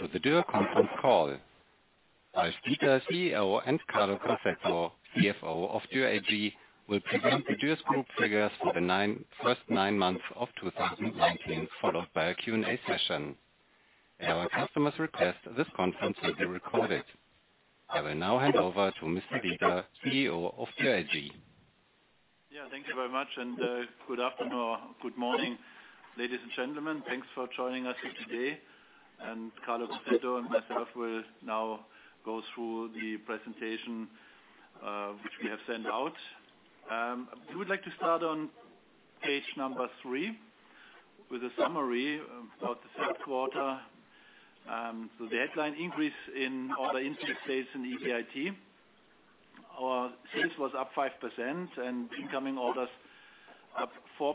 Welcome to the Dürr conference call. Ralf Dieter, CEO and Carlo Crosetto, CFO of Dürr AG, who will present the Dürr Group figures for the first nine months of 2019, followed by a Q&A session. At our customers' request, this conference will be recorded. I will now hand over to Mr. Dieter, CEO of Dürr AG. Yeah, thank you very much, and good afternoon or good morning, ladies and gentlemen. Thanks for joining us today, and Carlo Crosetto and myself will now go through the presentation which we have sent out. We would like to start on page number three with a summary about the third quarter. So the headline increase in order intake stated in EBIT. Our sales was up 5%, and incoming orders up 4%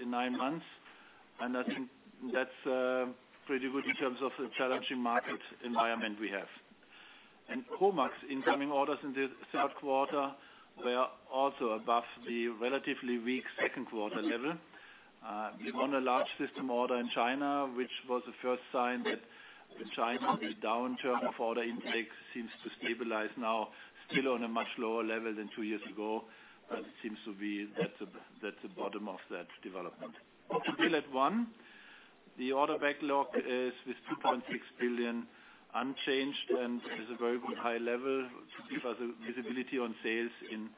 in nine months, and I think that's pretty good in terms of the challenging market environment we have, and HOMAG's incoming orders in the third quarter were also above the relatively weak second quarter level. We won a large system order in China, which was the first sign that in China the downturn of order intake seems to stabilize now, still on a much lower level than two years ago. But it seems to be that's the bottom of that development. Up to now, the order backlog is with 2.6 billion unchanged and is a very good high level to give us a visibility on sales in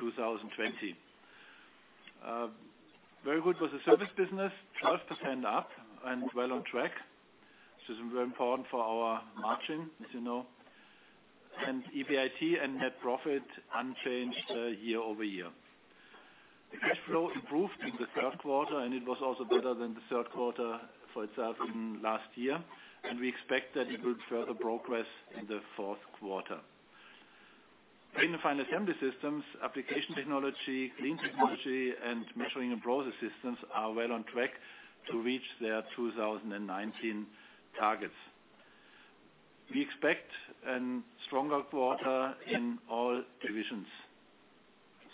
2020. Very good was the service business, 12% up and well on track, which is very important for our margin, as you know, and EBIT and net profit unchanged year-over-year. The cash flow improved in the third quarter, and it was also better than the third quarter for itself in last year, and we expect that it will further progress in the fourth quarter. Paint and Final Assembly Systems, Application Technology, Clean Technology, and Measuring and Process Systems are well on track to reach their 2019 targets. We expect a stronger quarter in all divisions,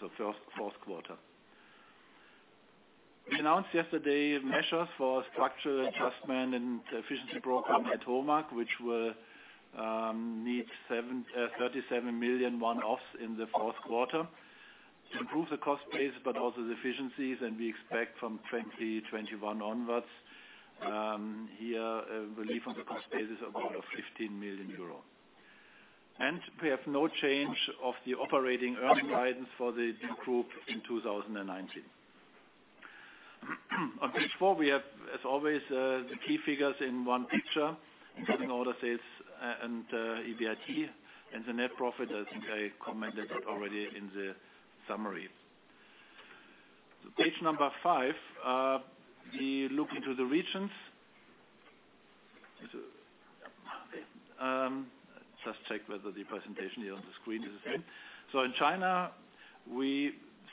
so fourth quarter. We announced yesterday measures for structural adjustment and efficiency program at HOMAG, which will need 37 million one-offs in the fourth quarter to improve the cost basis, but also the efficiencies. And we expect from 2021 onwards here a relief on the cost basis of 15 million euro. And we have no change of the operating earnings guidance for the Dürr Group in 2019. On page four, we have, as always, the key figures in one picture: Incoming orders, sales and EBIT and the net profit, as I commented already in the summary. So page number five, we look into the regions. Just check whether the presentation here on the screen is the same. So in China,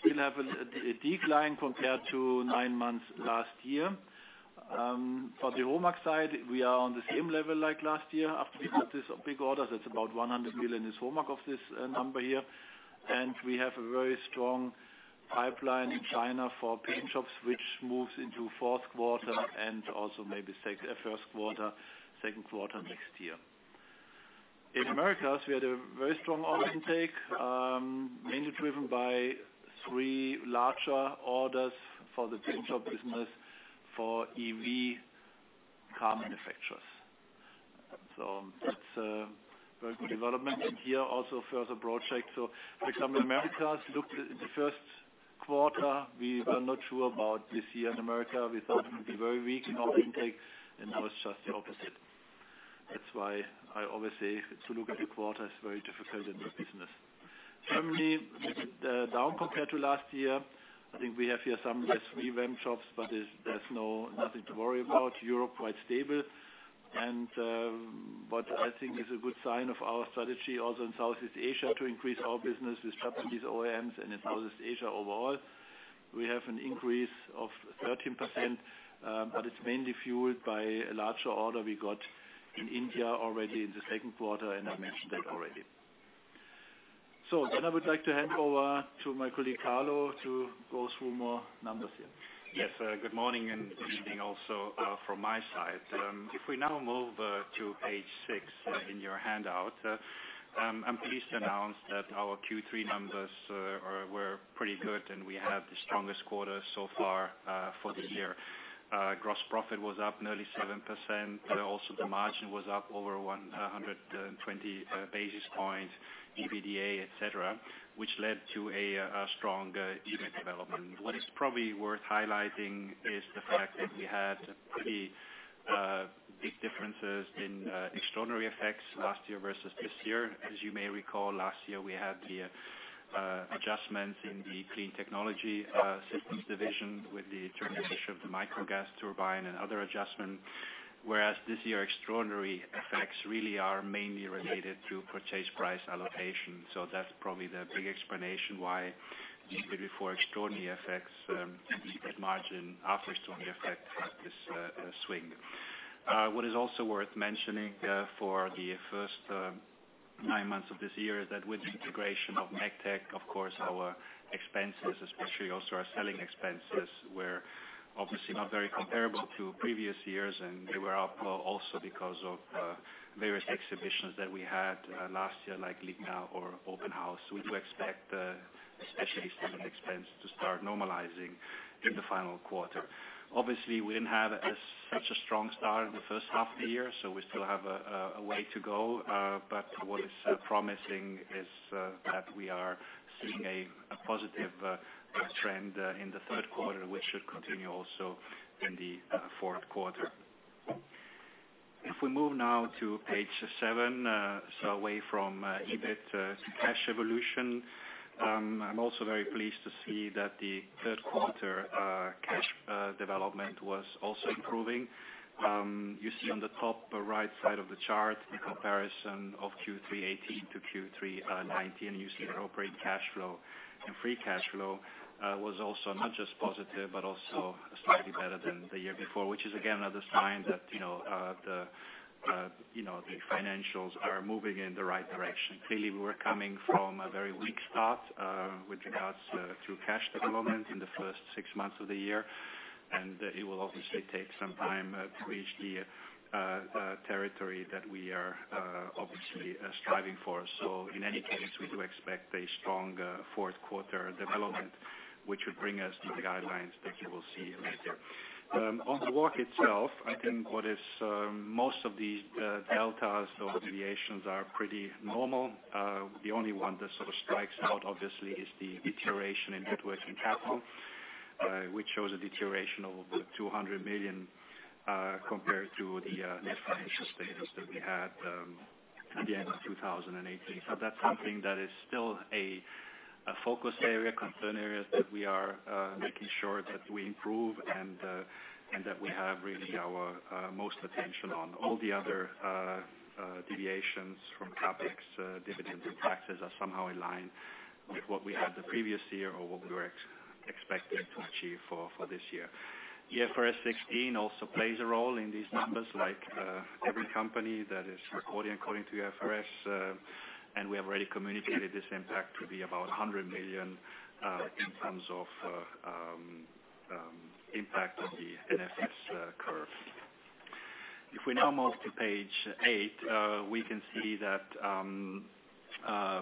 we still have a decline compared to nine months last year. For the HOMAG side, we are on the same level like last year. After we got this big order, that's about 100 million is HOMAG of this number here. And we have a very strong pipeline in China for paint shops, which moves into fourth quarter and also maybe first quarter, second quarter next year. In Americas, we had a very strong order intake, mainly driven by three larger orders for the paint shop business for EV car manufacturers. So that's a very good development. And here also further projects. So for example, Americas looked at the first quarter, we were not sure about this year in America. We thought it would be very weak in order intake, and it was just the opposite. That's why I always say to look at the quarter is very difficult in this business. Germany, down compared to last year. I think we have here some less revamped shops, but there's nothing to worry about. Europe, quite stable. And what I think is a good sign of our strategy also in Southeast Asia to increase our business with Japanese OEMs and in Southeast Asia overall, we have an increase of 13%, but it's mainly fueled by a larger order we got in India already in the second quarter, and I mentioned that already. So then I would like to hand over to my colleague Carlo to go through more numbers here. Yes, good morning and good evening also from my side. If we now move to page six in your handout, I'm pleased to announce that our Q3 numbers were pretty good, and we had the strongest quarter so far for the year. Gross profit was up nearly seven%. Also, the margin was up over 120 basis points, EBITDA, etc., which led to a strong EBIT development. What is probably worth highlighting is the fact that we had pretty big differences in extraordinary effects last year versus this year. As you may recall, last year we had the adjustments in the Clean Technology systems division with the termination of the micro gas turbine and other adjustments, whereas this year extraordinary effects really are mainly related to purchase price allocation. So that's probably the big explanation why we saw extraordinary effects in margin after extraordinary effects had this swing. What is also worth mentioning for the first nine months of this year is that with the integration of MEGTEC, of course, our expenses, especially also our selling expenses, were obviously not very comparable to previous years, and they were up also because of various exhibitions that we had last year, like LIGNA or Open House. So we do expect especially selling expense to start normalizing in the final quarter. Obviously, we didn't have such a strong start in the first half of the year, so we still have a way to go. But what is promising is that we are seeing a positive trend in the third quarter, which should continue also in the fourth quarter. If we move now to page seven, so away from EBIT cash evolution, I'm also very pleased to see that the third quarter cash development was also improving. You see on the top right side of the chart the comparison of Q3 2018 to Q3 2019, and you see that operating cash flow and free cash flow was also not just positive, but also slightly better than the year before, which is again another sign that the financials are moving in the right direction. Clearly, we were coming from a very weak start with regards to cash development in the first six months of the year, and it will obviously take some time to reach the territory that we are obviously striving for. So in any case, we do expect a strong fourth quarter development, which would bring us the guidelines that you will see later. On the walk itself, I think what is most of the deltas or deviations are pretty normal. The only one that sort of strikes out, obviously, is the deterioration in net working capital, which shows a deterioration of over 200 million compared to the net financial status that we had at the end of 2018. So that's something that is still a focus area, concern areas that we are making sure that we improve and that we have really our most attention on. All the other deviations from capex dividends and taxes are somehow in line with what we had the previous year or what we were expecting to achieve for this year. IFRS 16 also plays a role in these numbers, like every company that is reporting according to IFRS, and we have already communicated this impact to be about 100 million in terms of impact on the NFS curve. If we now move to page eight, we can see that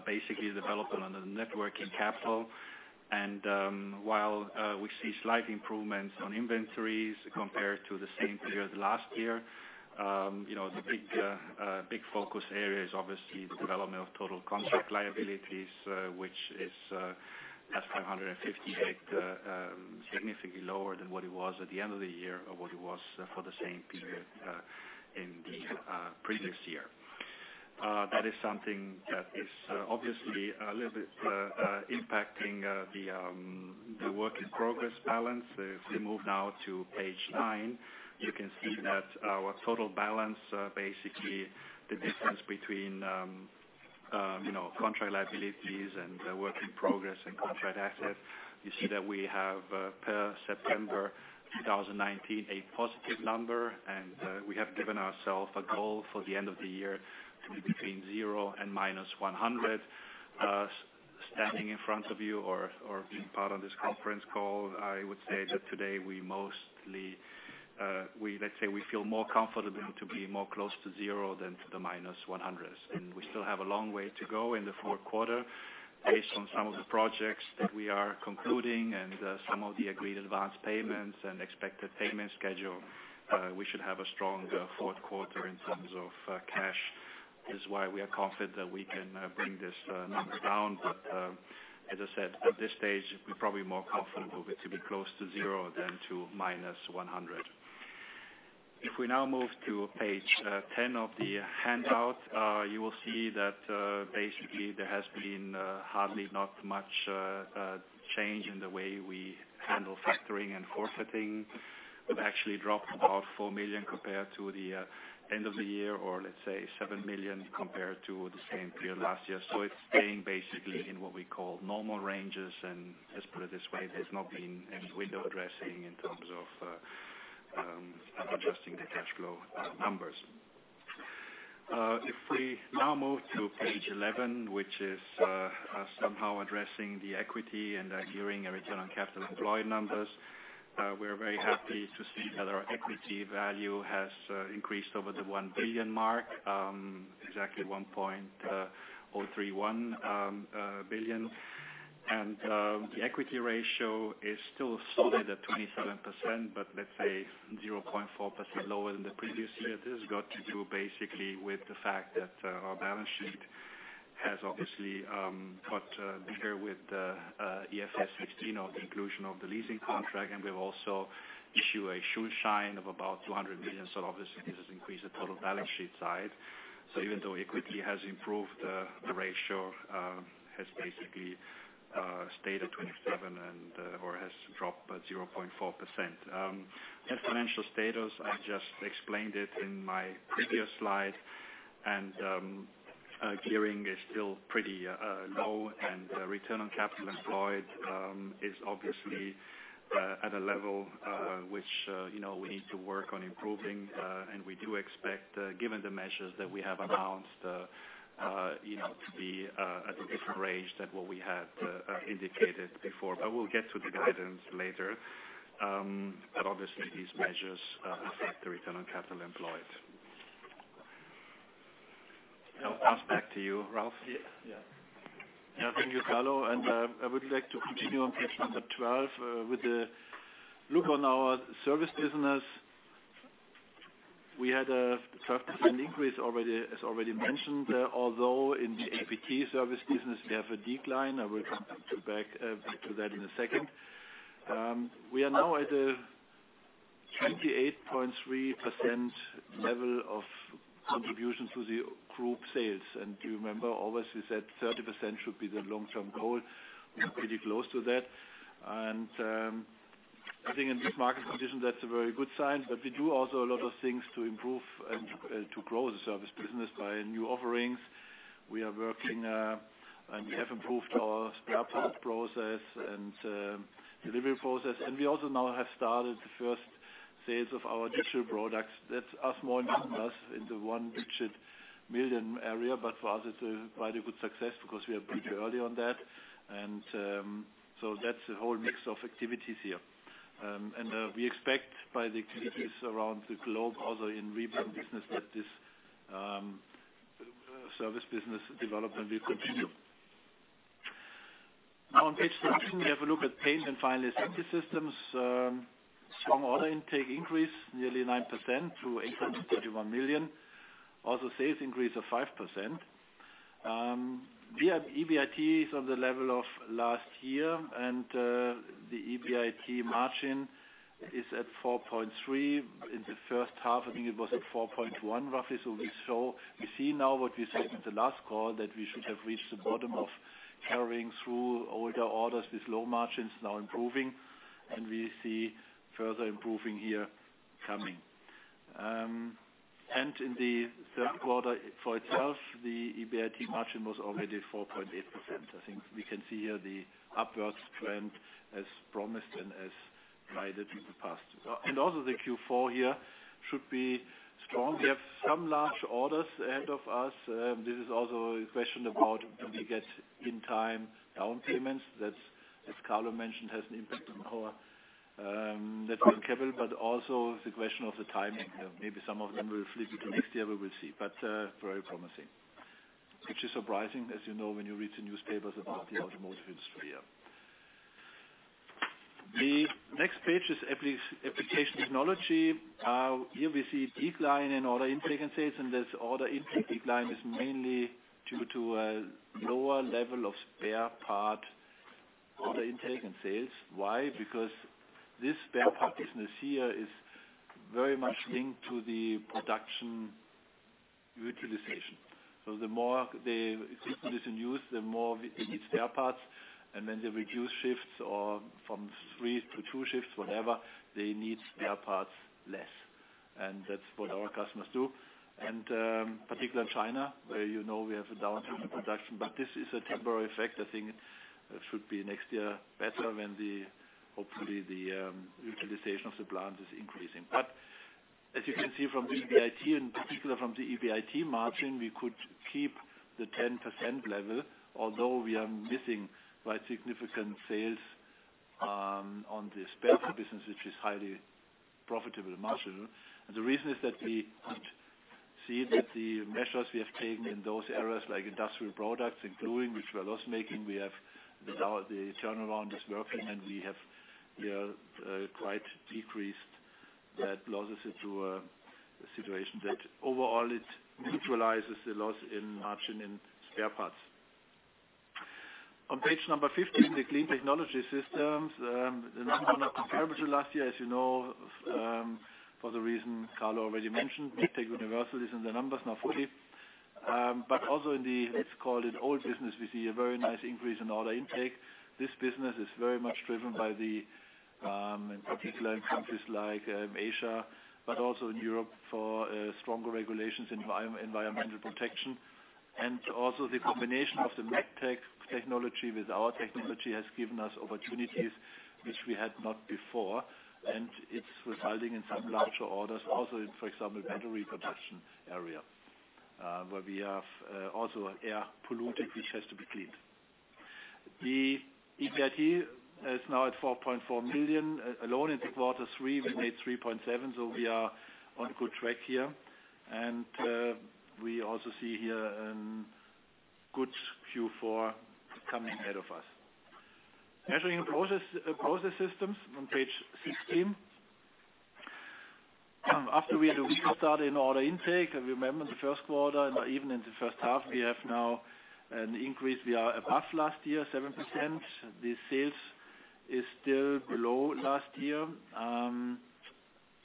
basically the development on the net working capital, and while we see slight improvements on inventories compared to the same period last year, the big focus area is obviously the development of total contract liabilities, which is at 550, significantly lower than what it was at the end of the year or what it was for the same period in the previous year. That is something that is obviously a little bit impacting the work in progress balance. If we move now to page nine, you can see that our total balance, basically the difference between contract liabilities and work in progress and contract assets, you see that we have per September 2019 a positive number, and we have given ourselves a goal for the end of the year to be between zero and minus 100. Standing in front of you or being part of this conference call, I would say that today we mostly, let's say, we feel more comfortable to be more close to zero than to the minus 100s. And we still have a long way to go in the fourth quarter. Based on some of the projects that we are concluding and some of the agreed advance payments and expected payment schedule, we should have a strong fourth quarter in terms of cash. This is why we are confident that we can bring this number down. But as I said, at this stage, we're probably more comfortable to be close to zero than to minus 100. If we now move to Page 10 of the handout, you will see that basically there has been hardly not much change in the way we handle factoring and forfaiting. We've actually dropped about 4 million compared to the end of the year or let's say 7 million compared to the same period last year. So it's staying basically in what we call normal ranges, and let's put it this way, there's not been any window dressing in terms of adjusting the cash flow numbers. If we now move to Page 11, which is somehow addressing the equity and the ROCE numbers, we're very happy to see that our equity value has increased over the 1 billion mark, exactly 1.031 billion. And the equity ratio is still solid at 27%, but let's say 0.4% lower than the previous year. This has got to do basically with the fact that our balance sheet has obviously got bigger with IFRS 16 or the inclusion of the leasing contract, and we've also issued a Schuldscheindarlehen of about 200 million, so obviously, this has increased the total balance sheet size. So even though equity has improved, the ratio has basically stayed at 27% or has dropped by 0.4%. Asset financing status, I just explained it in my previous slide, and gearing is still pretty low, and the return on capital employed is obviously at a level which we need to work on improving, and we do expect, given the measures that we have announced, to be at a different range than what we had indicated before, but we'll get to the guidance later, but obviously, these measures affect the return on capital employed. I'll pass back to you, Ralf. Yeah. Yeah. Thank you, Carlo. And I would like to continue on page number 12 with the look on our service business. We had a 12% increase, as already mentioned, although in the APT service business, we have a decline. I will come back to that in a second. We are now at a 28.3% level of contribution to the group sales. And do you remember, always we said 30% should be the long-term goal? We're pretty close to that. And I think in these market conditions, that's a very good sign. But we do also a lot of things to improve and to grow the service business by new offerings. We are working, and we have improved our spare parts process and delivery process. And we also now have started the first sales of our digital products. That's us more in the one-digit million area, but for us, it's quite a good success because we are pretty early on that. And so that's a whole mix of activities here. And we expect by the activities around the globe, also in rebrand business, that this service business development will continue. Now on Page 13, we have a look at Paint and Final Assembly Systems. Strong order intake increase, nearly 9% to 831 million. Also sales increase of 5%. EBIT is on the level of last year, and the EBIT margin is at 4.3%. In the first half, I think it was at 4.1% roughly. So we see now what we said in the last call, that we should have reached the bottom of carrying through older orders with low margins now improving, and we see further improving here coming. In the third quarter for itself, the EBIT margin was already 4.8%. I think we can see here the upward trend as promised and as guided in the past. Also the Q4 here should be strong. We have some large orders ahead of us. This is also a question about do we get in-time down payments? That's as Carlo mentioned, has an impact on our net working capital, but also the question of the timing. Maybe some of them will flip into next year. We will see. Very promising, which is surprising, as you know, when you read the newspapers about the automotive industry here. The next page is Application Technology. Here we see a decline in order intake and sales, and this order intake decline is mainly due to a lower level of spare part order intake and sales. Why? Because this spare part business here is very much linked to the production utilization. So the more the equipment is in use, the more they need spare parts. And when they reduce shifts from three to two shifts, whatever, they need spare parts less. And that's what our customers do. And particularly in China, where you know we have a downturn production, but this is a temporary effect. I think it should be next year better when hopefully the utilization of the plant is increasing. But as you can see from the EBIT, in particular from the EBIT margin, we could keep the 10% level, although we are missing quite significant sales on the spare part business, which is highly profitable margin. And the reason is that we see that the measures we have taken in those areas, like industrial products, including which we are loss-making, we have the turnaround is working, and we have quite decreased that losses into a situation that overall it neutralizes the loss in margin in spare parts. On page number 15, the Clean Technology systems, the number not comparable to last year, as you know, for the reason Carlo already mentioned, MEGTEC Universal is in the numbers now fully. But also in the, let's call it old business, we see a very nice increase in order intake. This business is very much driven by the, in particular in countries like Asia, but also in Europe for stronger regulations in environmental protection. Also, the combination of the MEGTEC technology with our technology has given us opportunities which we had not before, and it's resulting in some larger orders, also in, for example, the battery production area, where we have also air pollution, which has to be cleaned. The EBIT is now at 4.4 million. Alone in quarter three, we made 3.7 million, so we are on good track here. We also see here a good Q4 coming ahead of us. Measuring and Process Systems on Page 16. After we had a weak start in order intake, I remember in the first quarter and even in the first half, we have now an increase. We are above last year 7%. The sales is still below last year.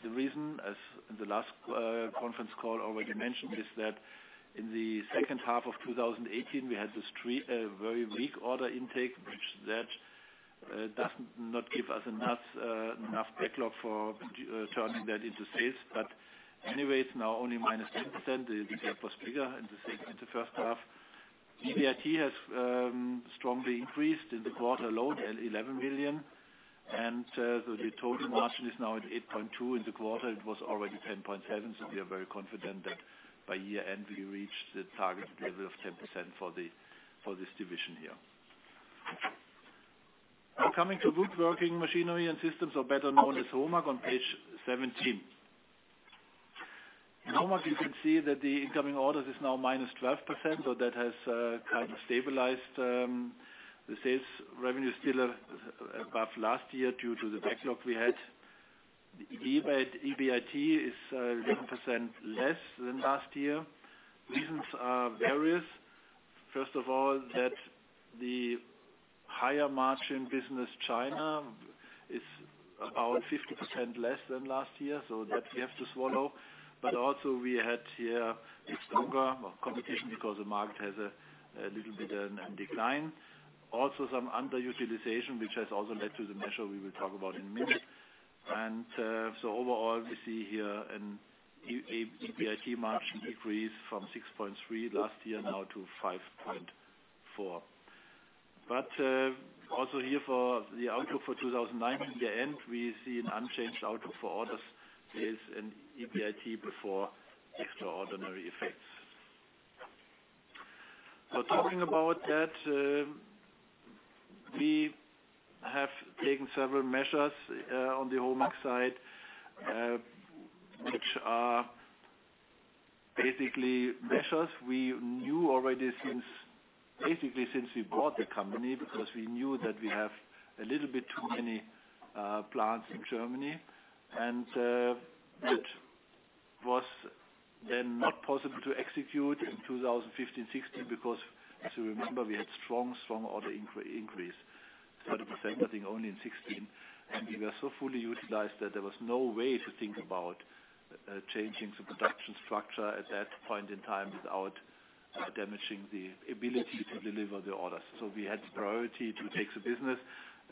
The reason, as in the last conference call already mentioned, is that in the second half of 2018, we had a very weak order intake, which does not give us enough backlog for turning that into sales, but anyway, it's now only minus 10%. The gap was bigger in the first half. EBIT has strongly increased in the quarter alone, 11 million, and so the total margin is now at 8.2. In the quarter, it was already 10.7, so we are very confident that by year-end, we reached the target level of 10% for this division here. Coming to Woodworking Machinery and Systems, or better known as HOMAG, on Page 17. In HOMAG, you can see that the incoming orders is now minus 12%, so that has kind of stabilized. The sales revenue is still above last year due to the backlog we had. The EBIT is 11% less than last year. Reasons are various. First of all, that the higher margin business, China, is about 50% less than last year, so that we have to swallow. But also we had here a stronger competition because the market has a little bit of a decline. Also some underutilization, which has also led to the measure we will talk about in a minute, and so overall, we see here an EBIT margin increase from 6.3% last year now to 5.4%. But also here for the outlook for 2019, year-end, we see an unchanged outlook for orders, sales, and EBIT before extraordinary effects. So talking about that, we have taken several measures on the HOMAG side, which are basically measures we knew already basically since we bought the company because we knew that we have a little bit too many plants in Germany. It was then not possible to execute in 2015-2016 because, as you remember, we had strong, strong order increase, 30%, I think, only in 2016. We were so fully utilized that there was no way to think about changing the production structure at that point in time without damaging the ability to deliver the orders. We had priority to take the business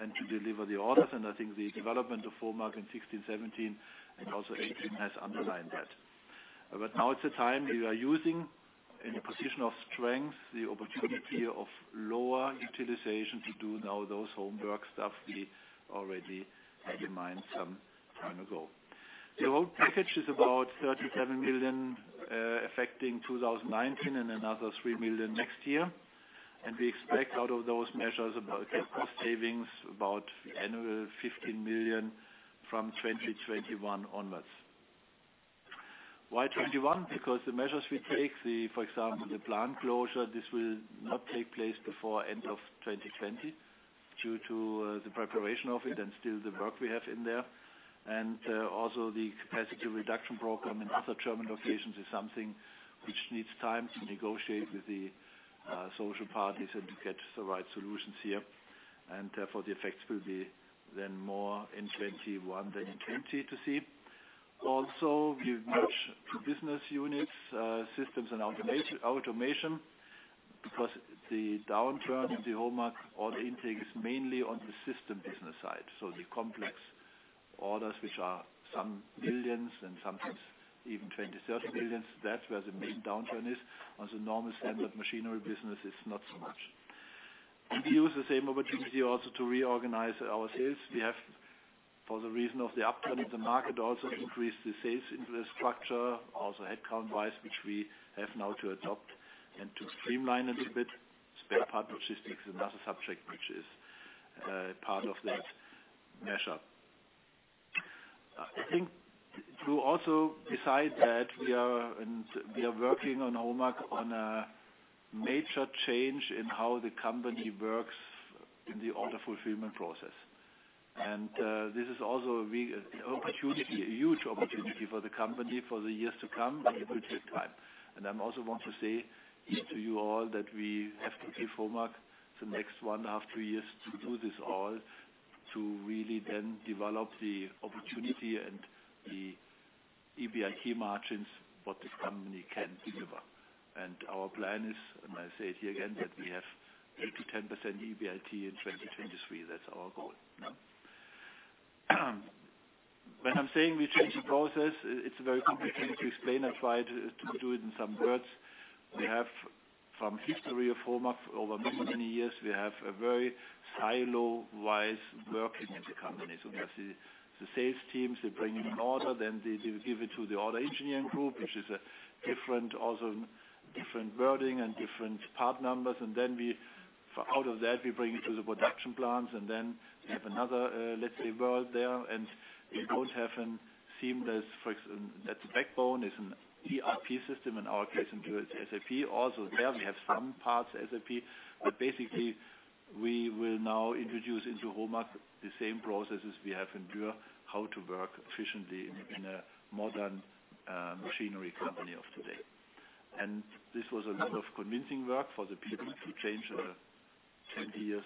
and to deliver the orders. I think the development of HOMAG in 2016, 2017, and also 2018 has underlined that. Now it's a time we are using in a position of strength the opportunity of lower utilization to do now those homework stuff we already outlined some time ago. The whole package is about 37 million affecting 2019 and another 3 million next year. We expect out of those measures about cost savings, about annual 15 million from 2021 onwards. Why 2021? Because the measures we take, for example, the plant closure, this will not take place before end of 2020 due to the preparation of it and still the work we have in there, and also the capacity reduction program in other German locations is something which needs time to negotiate with the social partners and to get the right solutions here. Therefore, the effects will be then more in 2021 than in 2020 to see. Also, we've merged two business units, systems and automation, because the downturn in the HOMAG order intake is mainly on the system business side, so the complex orders, which are some millions and sometimes even 20-30 million, that's where the main downturn is. On the normal standard machinery business, it's not so much, and we use the same opportunity also to reorganize our sales. We have, for the reason of the upturn of the market, also increased the sales infrastructure, also headcount-wise, which we have now to adopt and to streamline a little bit. Spare part logistics is another subject which is part of that measure. I think also beside that, we are working on HOMAG on a major change in how the company works in the order fulfillment process. And this is also an opportunity, a huge opportunity for the company for the years to come and the future time. And I also want to say to you all that we have to give HOMAG the next one and a half, two years to do this all, to really then develop the opportunity and the EBIT margins what this company can deliver. And our plan is, and I say it here again, that we have 8%-10% EBIT in 2023. That's our goal. When I'm saying we change the process, it's very complicated to explain. I'll try to do it in some words. We have, from history of HOMAG over many, many years, we have a very silo-wise working with the companies. The sales teams, they bring in an order, then they give it to the order engineering group, which is also different wording and different part numbers. And then out of that, we bring it to the production plants, and then we have another, let's say, world there, and we don't have a seamless, for example, that's a backbone, is an ERP system, in our case, Dürr's SAP. Also there, we have some parts SAP, but basically, we will now introduce into HOMAG the same processes we have at Dürr, how to work efficiently in a modern machinery company of today. And this was a lot of convincing work for the people to change 20 years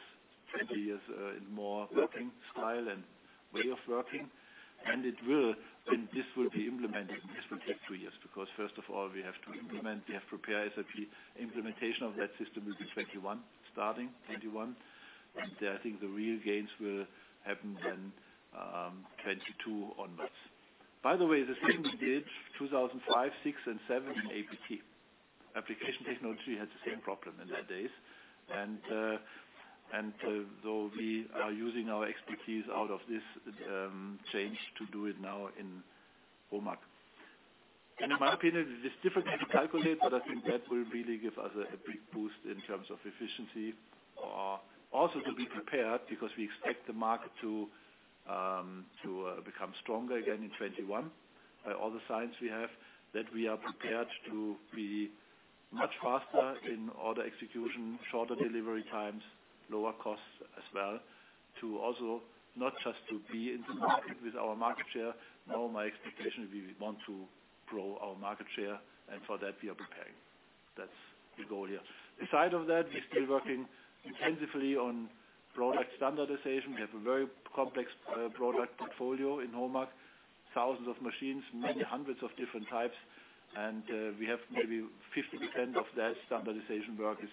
and more working style and way of working. And this will be implemented. This will take two years because, first of all, we have to implement, we have to prepare SAP. Implementation of that system will be 2021, starting 2021. And I think the real gains will happen then 2022 onwards. By the way, the same we did 2005, 2006, and 2007 in APT. Application Technology had the same problem in those days. And so we are using our expertise out of this change to do it now in HOMAG. And in my opinion, it is difficult to calculate, but I think that will really give us a big boost in terms of efficiency. Also, to be prepared because we expect the market to become stronger again in 2021 by all the signs we have, that we are prepared to be much faster in order execution, shorter delivery times, lower costs as well, to also not just to be in the market with our market share. Now my expectation, we want to grow our market share, and for that, we are preparing. That's the goal here. Aside of that, we're still working intensively on product standardization. We have a very complex product portfolio in HOMAG, thousands of machines, many hundreds of different types, and we have maybe 50% of that standardization work is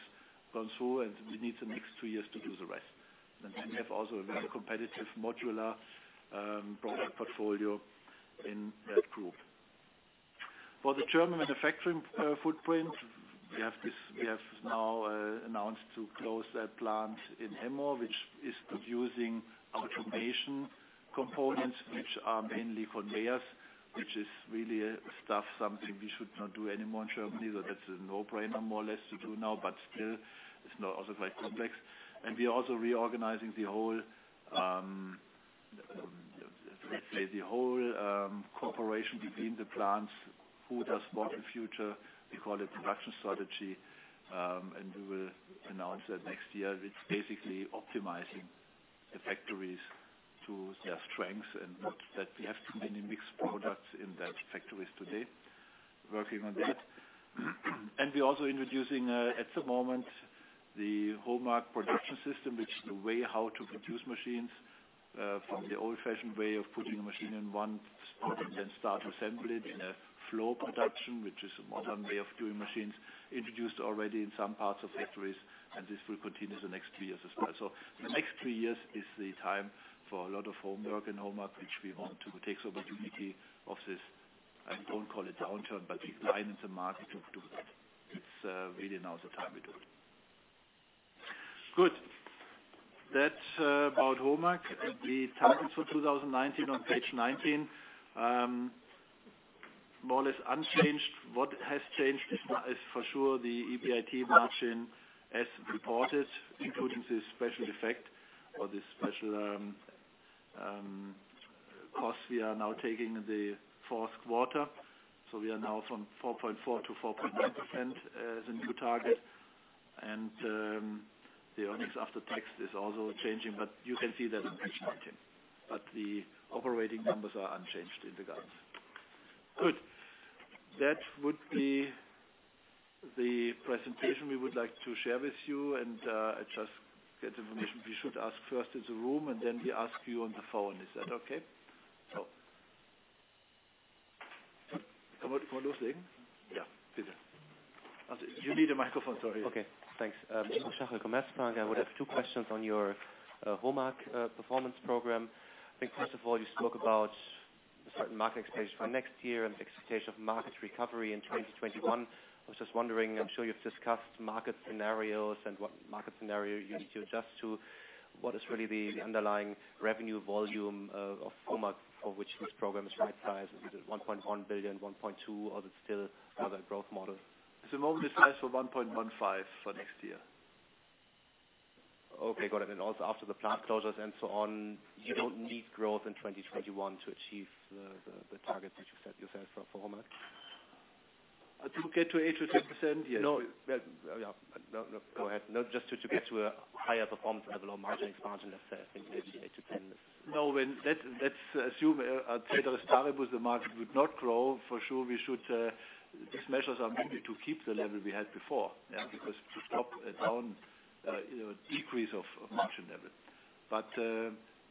gone through, and we need the next two years to do the rest. And we have also a very competitive modular product portfolio in that group. For the German manufacturing footprint, we have now announced to close that plant in Hemmoor, which is producing automation components, which are mainly conveyors, which is really stuff, something we should not do anymore in Germany. So that's a no-brainer, more or less, to do now, but still, it's also quite complex. And we are also reorganizing the whole, let's say, the whole cooperation between the plants, who does what in the future. We call it production strategy, and we will announce that next year. It's basically optimizing the factories to their strengths and that we have too many mixed products in the factories today, working on that. We're also introducing, at the moment, the HOMAG production system, which is the way how to produce machines from the old-fashioned way of putting a machine in one and then start assembling in a flow production, which is a modern way of doing machines, introduced already in some parts of factories, and this will continue the next two years as well. So the next two years is the time for a lot of homework in HOMAG, which we want to take the opportunity of this. I don't call it downturn, but we align in the market to do that. It's really now the time we do it. Good. That's about HOMAG. The targets for 2019 on Page 19, more or less unchanged. What has changed is for sure the EBIT margin as reported, including the special effect or the special costs we are now taking in the fourth quarter. So we are now from 4.4%-4.9% as a new target. And the earnings after tax is also changing, but you can see that in Page 19. But the operating numbers are unchanged in regards. Good. That would be the presentation we would like to share with you. And I just get information we should ask first in the room, and then we ask you on the phone. Is that okay? So. Come on, forward, one more thing. Yeah, please. You need a microphone, sorry. Okay. Thanks. Michael, I would have two questions on your HOMAG performance program. I think, first of all, you spoke about a certain market expectation for next year and the expectation of market recovery in 2021. I was just wondering, I'm sure you've discussed market scenarios and what market scenario you need to adjust to. What is really the underlying revenue volume of HOMAG for which this program is right-sized, is it 1.1 billion, 1.2 billion, or is it still another growth model? At the moment, it's right for 1.15 billion for next year. Okay. Got it. And also after the plant closures and so on, you don't need growth in 2021 to achieve the targets that you set yourself for HOMAG? To get to 8%-10%, yes. No. Yeah. No, no. Go ahead. No, just to get to a higher performance level or margin expansion, let's say, I think maybe 8%-10%. No, let's assume at the start of the market would not grow. For sure, we should these measures are meant to keep the level we had before because to stop a down decrease of margin level. But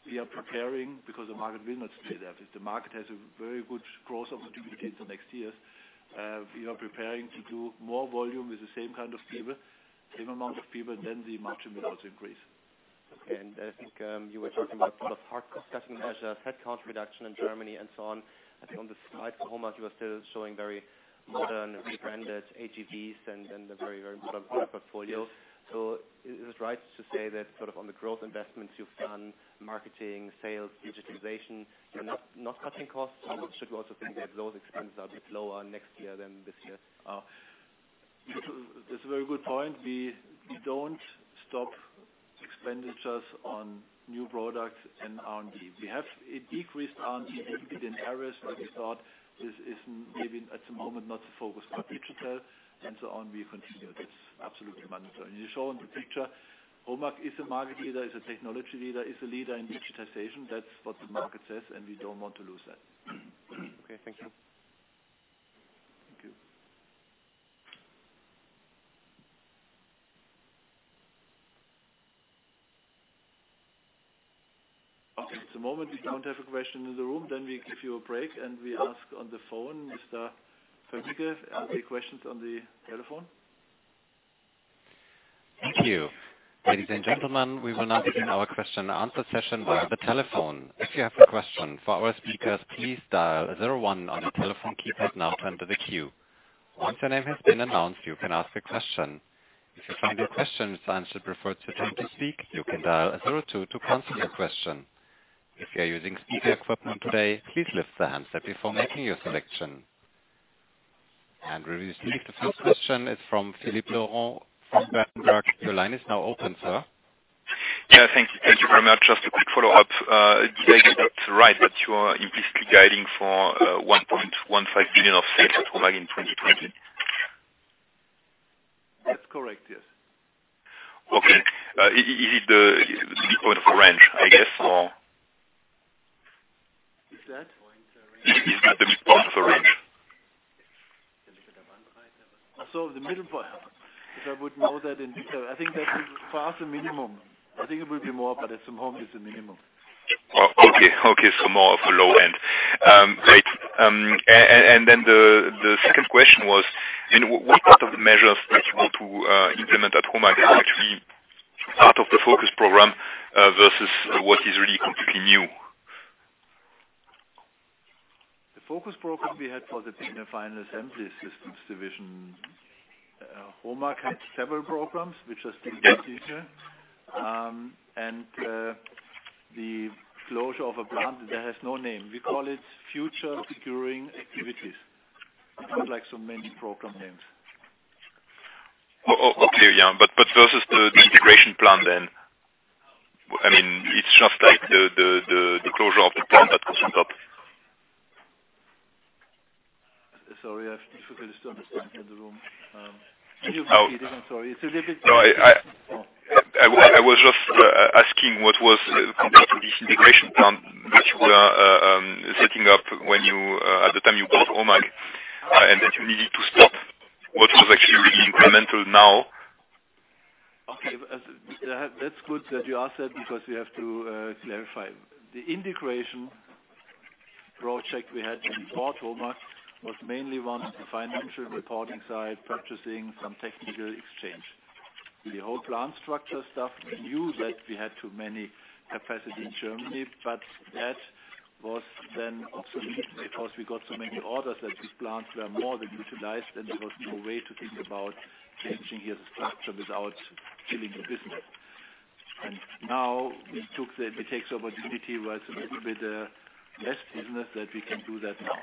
we are preparing because the market will not stay there. If the market has a very good growth opportunity in the next years, we are preparing to do more volume with the same kind of people, same amount of people, then the margin will also increase. Okay. And I think you were talking about sort of hard cutting measures, headcount reduction in Germany, and so on. I think on the slide for HOMAG, you were still showing very modern rebranded AGVs and a very, very modern product portfolio. So is it right to say that sort of on the growth investments you've done, marketing, sales, digitalization, you're not cutting costs? Or should we also think that those expenses are a bit lower next year than this year? It's a very good point. We don't stop expenditures on new products and R&D. We have decreased R&D in areas where we thought this is maybe at the moment not the focus for digital, and so on. We continue. It's absolutely mandatory. And you show in the picture, HOMAG is a market leader, is a technology leader, is a leader in digitization. That's what the market says, and we don't want to lose that. Okay. Thank you. Thank you. Okay. At the moment, we don't have a question in the room. Then we give you a break, and we ask on the phone, Mr. Weier, any questions on the telephone? Thank you. Ladies and gentlemen, we will now begin our question-and-answer session via the telephone. If you have a question for our speakers, please dial zero one on the telephone keypad now to enter the queue. Once your name has been announced, you can ask a question. If you find your question is answered before it's your turn to speak, you can dial zero two to cancel your question. If you are using speaker equipment today, please lift the handset before making your selection. We receive the first question. It's from Philippe Lorrain from Berenberg. Your line is now open, sir. Yeah. Thank you. Thank you very much. Just a quick follow-up. Did I get that right that you are implicitly guiding for 1.15 billion of sales at HOMAG in 2020? That's correct, yes. Okay. Is it the midpoint of a range, I guess, or? Is that the midpoint of a range? Yes, the midpoint, if I would know that in detail, I think that's by far the minimum. I think it will be more, but at HOMAG, it's the minimum. Okay. So more of a low end. Great. And then the second question was, what sort of measures that you want to implement at HOMAG is actually part of the focus program versus what is really completely new? The focus program we had for the final assembly systems division, HOMAG had several programs which are still continuing. And the closure of a plant that has no name, we call it future securing activities. It's not like so many program names. Okay. Yeah. But versus the integration plan then, I mean, it's just like the closure of the plant that goes on top. Sorry, I have difficulty to understand in the room. Can you repeat it? I'm sorry. It's a little bit difficult. I was just asking what was compared to this integration plan that you were setting up when you at the time you bought HOMAG, and that you needed to stop. What was actually really incremental now? Okay. That's good that you asked that because we have to clarify. The integration project we had to buy HOMAG was mainly on the financial reporting side, purchasing some technical exchange. The whole plant structure stuff, we knew that we had too much capacity in Germany, but that was then obsolete because we got so many orders that these plants were more than utilized, and there was no way to think about changing here the structure without killing the business. And now we took the opportunity where it's a little bit less business that we can do that now.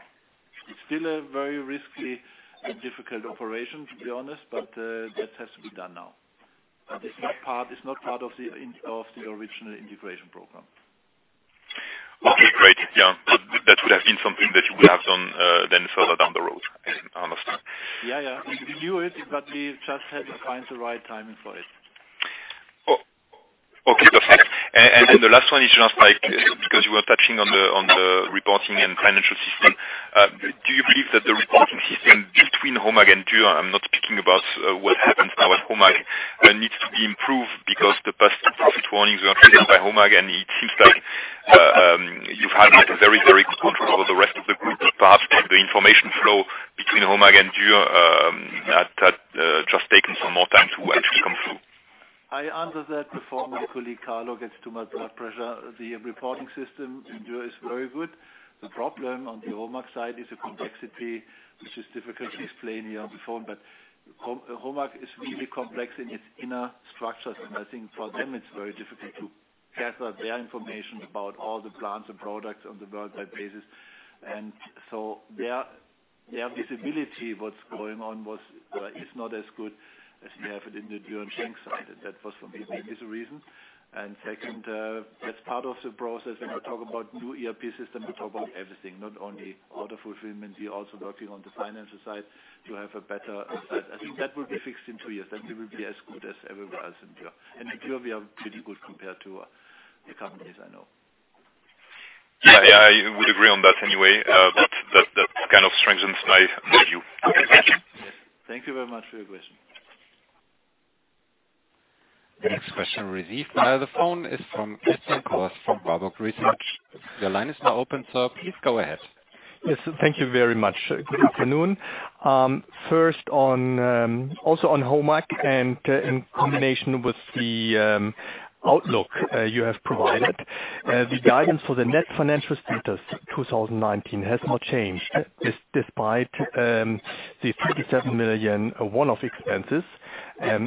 It's still a very risky and difficult operation, to be honest, but that has to be done now. But it's not part of the original integration program. Okay. Great. Yeah. That would have been something that you would have done then further down the road, honestly. Yeah. Yeah. We knew it, but we just had to find the right timing for it. Okay. Perfect. And the last one is just because you were touching on the reporting and financial system. Do you believe that the reporting system between HOMAG and Dürr, I'm not speaking about what happens now at HOMAG, needs to be improved because the past profit warnings were taken by HOMAG, and it seems like you've had very, very good control over the rest of the group. Perhaps the information flow between HOMAG and Dürr had just taken some more time to actually come through. I answer that before my colleague Carlo gets too much blood pressure. The reporting system in Dürr is very good. The problem on the HOMAG side is the complexity, which is difficult to explain here on the phone, but HOMAG is really complex in its inner structures. And I think for them, it's very difficult to gather their information about all the plants and products on the worldwide basis. And so their visibility, what's going on, is not as good as we have it in the Dürr and Schenck side. And that was for me the biggest reason. And second, that's part of the process. When we talk about new ERP system, we talk about everything, not only order fulfillment. We're also working on the financial side to have a better insight. I think that will be fixed in two years. Then we will be as good as everywhere else in Dürr. And in Dürr, we are pretty good compared to the companies I know. Yeah. Yeah. I would agree on that anyway. But that kind of strengthens my view. Okay. Thank you. Thank you very much for your question. Next question, Rizi. The call is from Eggert Kuls from Warburg Research. Your line is now open, sir; please go ahead. Yes. Thank you very much. Good afternoon. First, also on HOMAG and in combination with the outlook you have provided, the guidance for the net financial status 2019 has not changed despite the 37 million one-off expenses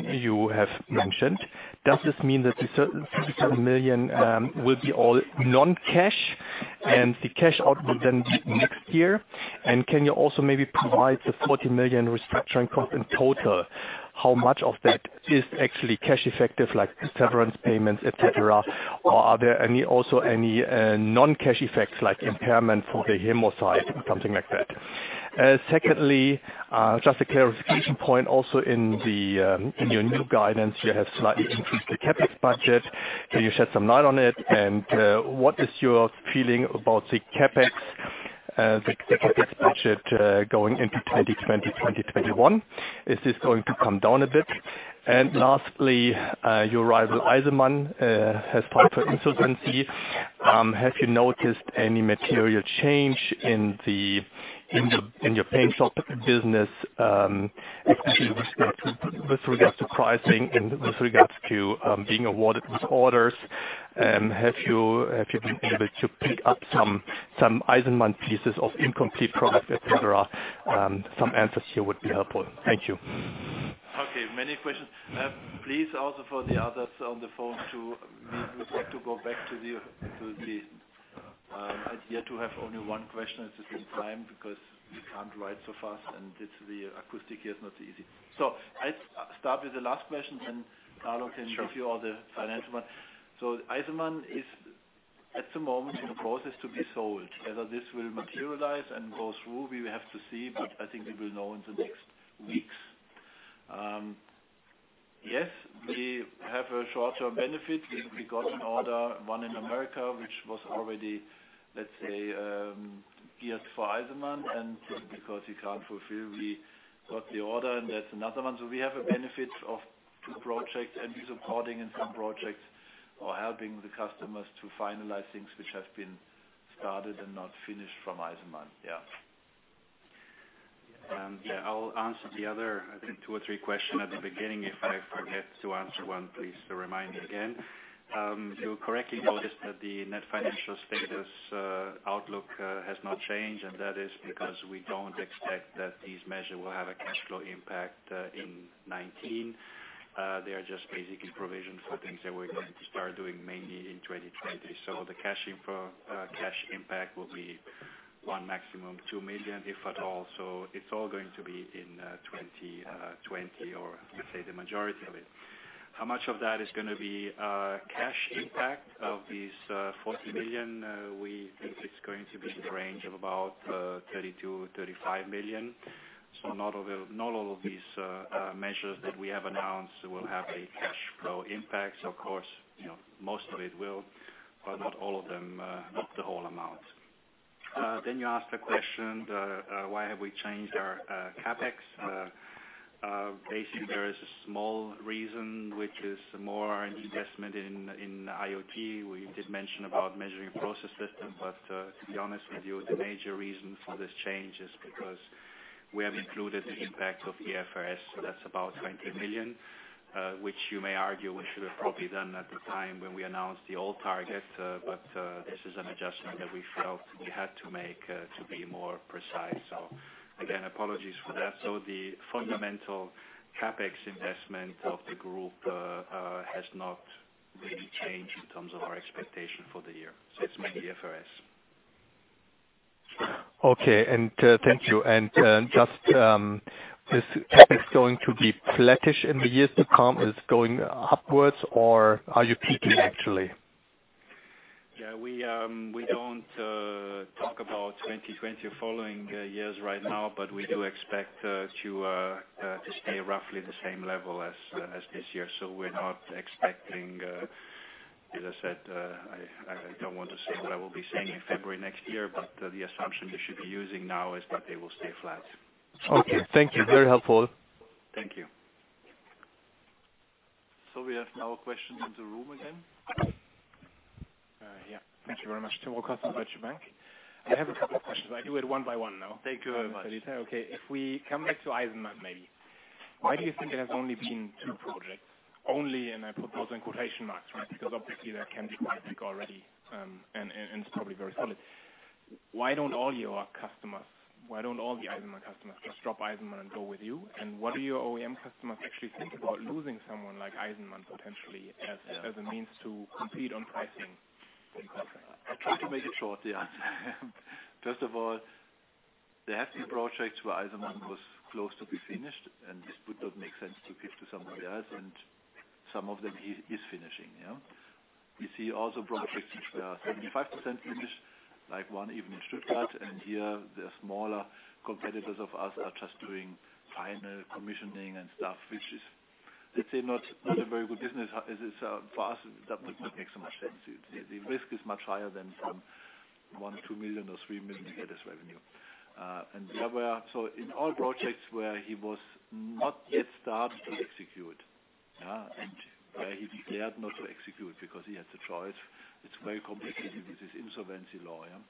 you have mentioned. Does this mean that the 37 million will be all non-cash, and the cash out will then be next year? And can you also maybe provide the 40 million restructuring cost in total? How much of that is actually cash effective, like severance payments, etc.? Or are there also any non-cash effects, like impairment for the Hemmoor side, something like that? Secondly, just a clarification point. Also, in your new guidance, you have slightly increased the CapEx budget. Can you shed some light on it? What is your feeling about the CapEx, the CapEx budget going into 2020, 2021? Is this going to come down a bit? Lastly, your rival, Eisenmann, has filed for insolvency. Have you noticed any material change in your paint shop business, especially with regards to pricing and with regards to being awarded with orders? Have you been able to pick up some Eisenmann pieces of incomplete products, etc.? Some answers here would be helpful. Thank you. Okay. Many questions. Please also for the others on the phone too, we would like to go back to the idea to have only one question at the same time because we can't write so fast, and the acoustics here is not easy. I'll start with the last question, then Carlo can give you all the financial one. Eisenmann is at the moment in the process to be sold. Whether this will materialize and go through, we will have to see, but I think we will know in the next weeks. Yes, we have a short-term benefit. We got an order, one in America, which was already, let's say, geared for Eisenmann. And because we can't fulfill, we got the order, and that's another one. So we have a benefit of two projects and supporting in some projects or helping the customers to finalize things which have been started and not finished from Eisenmann. Yeah. Yeah. I'll answer the other, I think, two or three questions at the beginning. If I forget to answer one, please remind me again. You correctly noticed that the net financial status outlook has not changed, and that is because we don't expect that these measures will have a cash flow impact in 2019. They are just basically provision for things that we're going to start doing mainly in 2020. So the cash impact will be one, maximum, 2 million, if at all. So it's all going to be in 2020 or, let's say, the majority of it. How much of that is going to be cash impact of these 40 million? We think it's going to be in the range of about 32–35 million. So not all of these measures that we have announced will have a cash flow impact. Of course, most of it will, but not all of them, not the whole amount. Then you asked a question, why have we changed our CapEx? Basically, there is a small reason, which is more investment in IoT. We did mention about measuring process system, but to be honest with you, the major reason for this change is because we have included the impact of the IFRS 16. That's about 20 million, which you may argue we should have probably done at the time when we announced the old target, but this is an adjustment that we felt we had to make to be more precise. So again, apologies for that. So the fundamental CapEx investment of the group has not really changed in terms of our expectation for the year. So it's mainly IFRS. Okay. And thank you. And just this CapEx going to be flattish in the years to come? Is it going upwards, or are you peaking, actually? Yeah. We don't talk about 2020 or following years right now, but we do expect to stay roughly at the same level as this year. So we're not expecting, as I said, I don't want to say what I will be saying in February next year, but the assumption we should be using now is that they will stay flat. Okay. Thank you. Very helpful. Thank you. So we have no questions in the room again. Yeah. Thank you very much, Tim Rokossa from Deutsche Bank. I have a couple of questions, but I do it one by one now. Thank you very much. Okay. If we come back to Eisenmann, maybe. Why do you think there have only been two projects? Only, and I put those in quotation marks, right? Because obviously, there can be quite big already, and it's probably very solid. Why don't all your customers, why don't all the Eisenmann customers just drop Eisenmann and go with you? And what do your OEM customers actually think about losing someone like Eisenmann potentially as a means to compete on pricing? I'll try to make it short, yeah. First of all, there have been projects where Eisenmann was close to be finished, and it would not make sense to give to somebody else, and some of them he is finishing. Yeah. You see also projects which were 75% finished, like one even in Stuttgart, and here the smaller competitors of us are just doing final commissioning and stuff, which is, let's say, not a very good business. For us, that would not make so much sense. The risk is much higher than some 1 million, 2 million, or 3 million revenue. And the other so in all projects where he was not yet started to execute, yeah, and where he declared not to execute because he had the choice, it's very complicated with his insolvency law, yeah,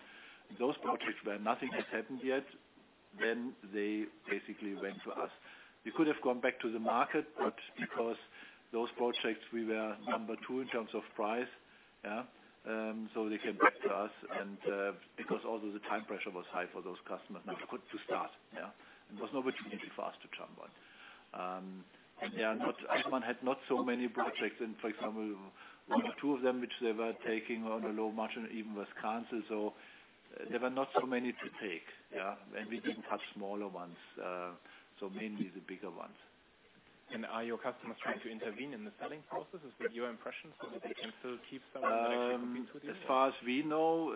those projects where nothing has happened yet, then they basically went to us. We could have gone back to the market, but because those projects, we were number two in terms of price, yeah, so they came back to us. And because also the time pressure was high for those customers not to start, yeah, there was no opportunity for us to jump on. And yeah, Eisenmann had not so many projects. And for example, one or two of them which they were taking on a low margin even was canceled. So there were not so many to take, yeah, and we didn't have smaller ones. So mainly the bigger ones. Are your customers trying to intervene in the selling process? Is that your impression? So that they can still keep selling and execute with you? As far as we know,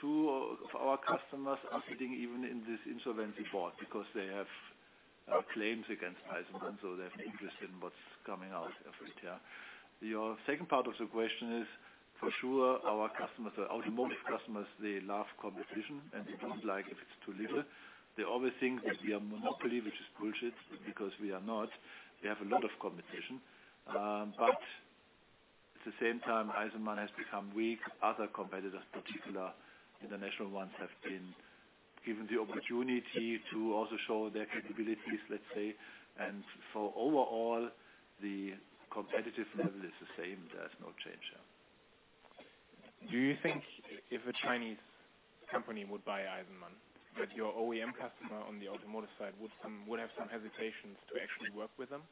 two of our customers are sitting even in this insolvency board because they have claims against Eisenmann, so they're interested in what's coming out of it, yeah. Your second part of the question is, for sure, our customers, the Automotive customers, they love competition, and they don't like if it's too little. They always think that we are a monopoly, which is bullshit because we are not. We have a lot of competition. At the same time, Eisenmann has become weak. Other competitors, particularly international ones, have been given the opportunity to also show their capabilities, let's say. Overall, the competitive level is the same. There's no change, yeah. Do you think if a Chinese company would buy Eisenmann, that your OEM customer on the automotive side would have some hesitations to actually work with them?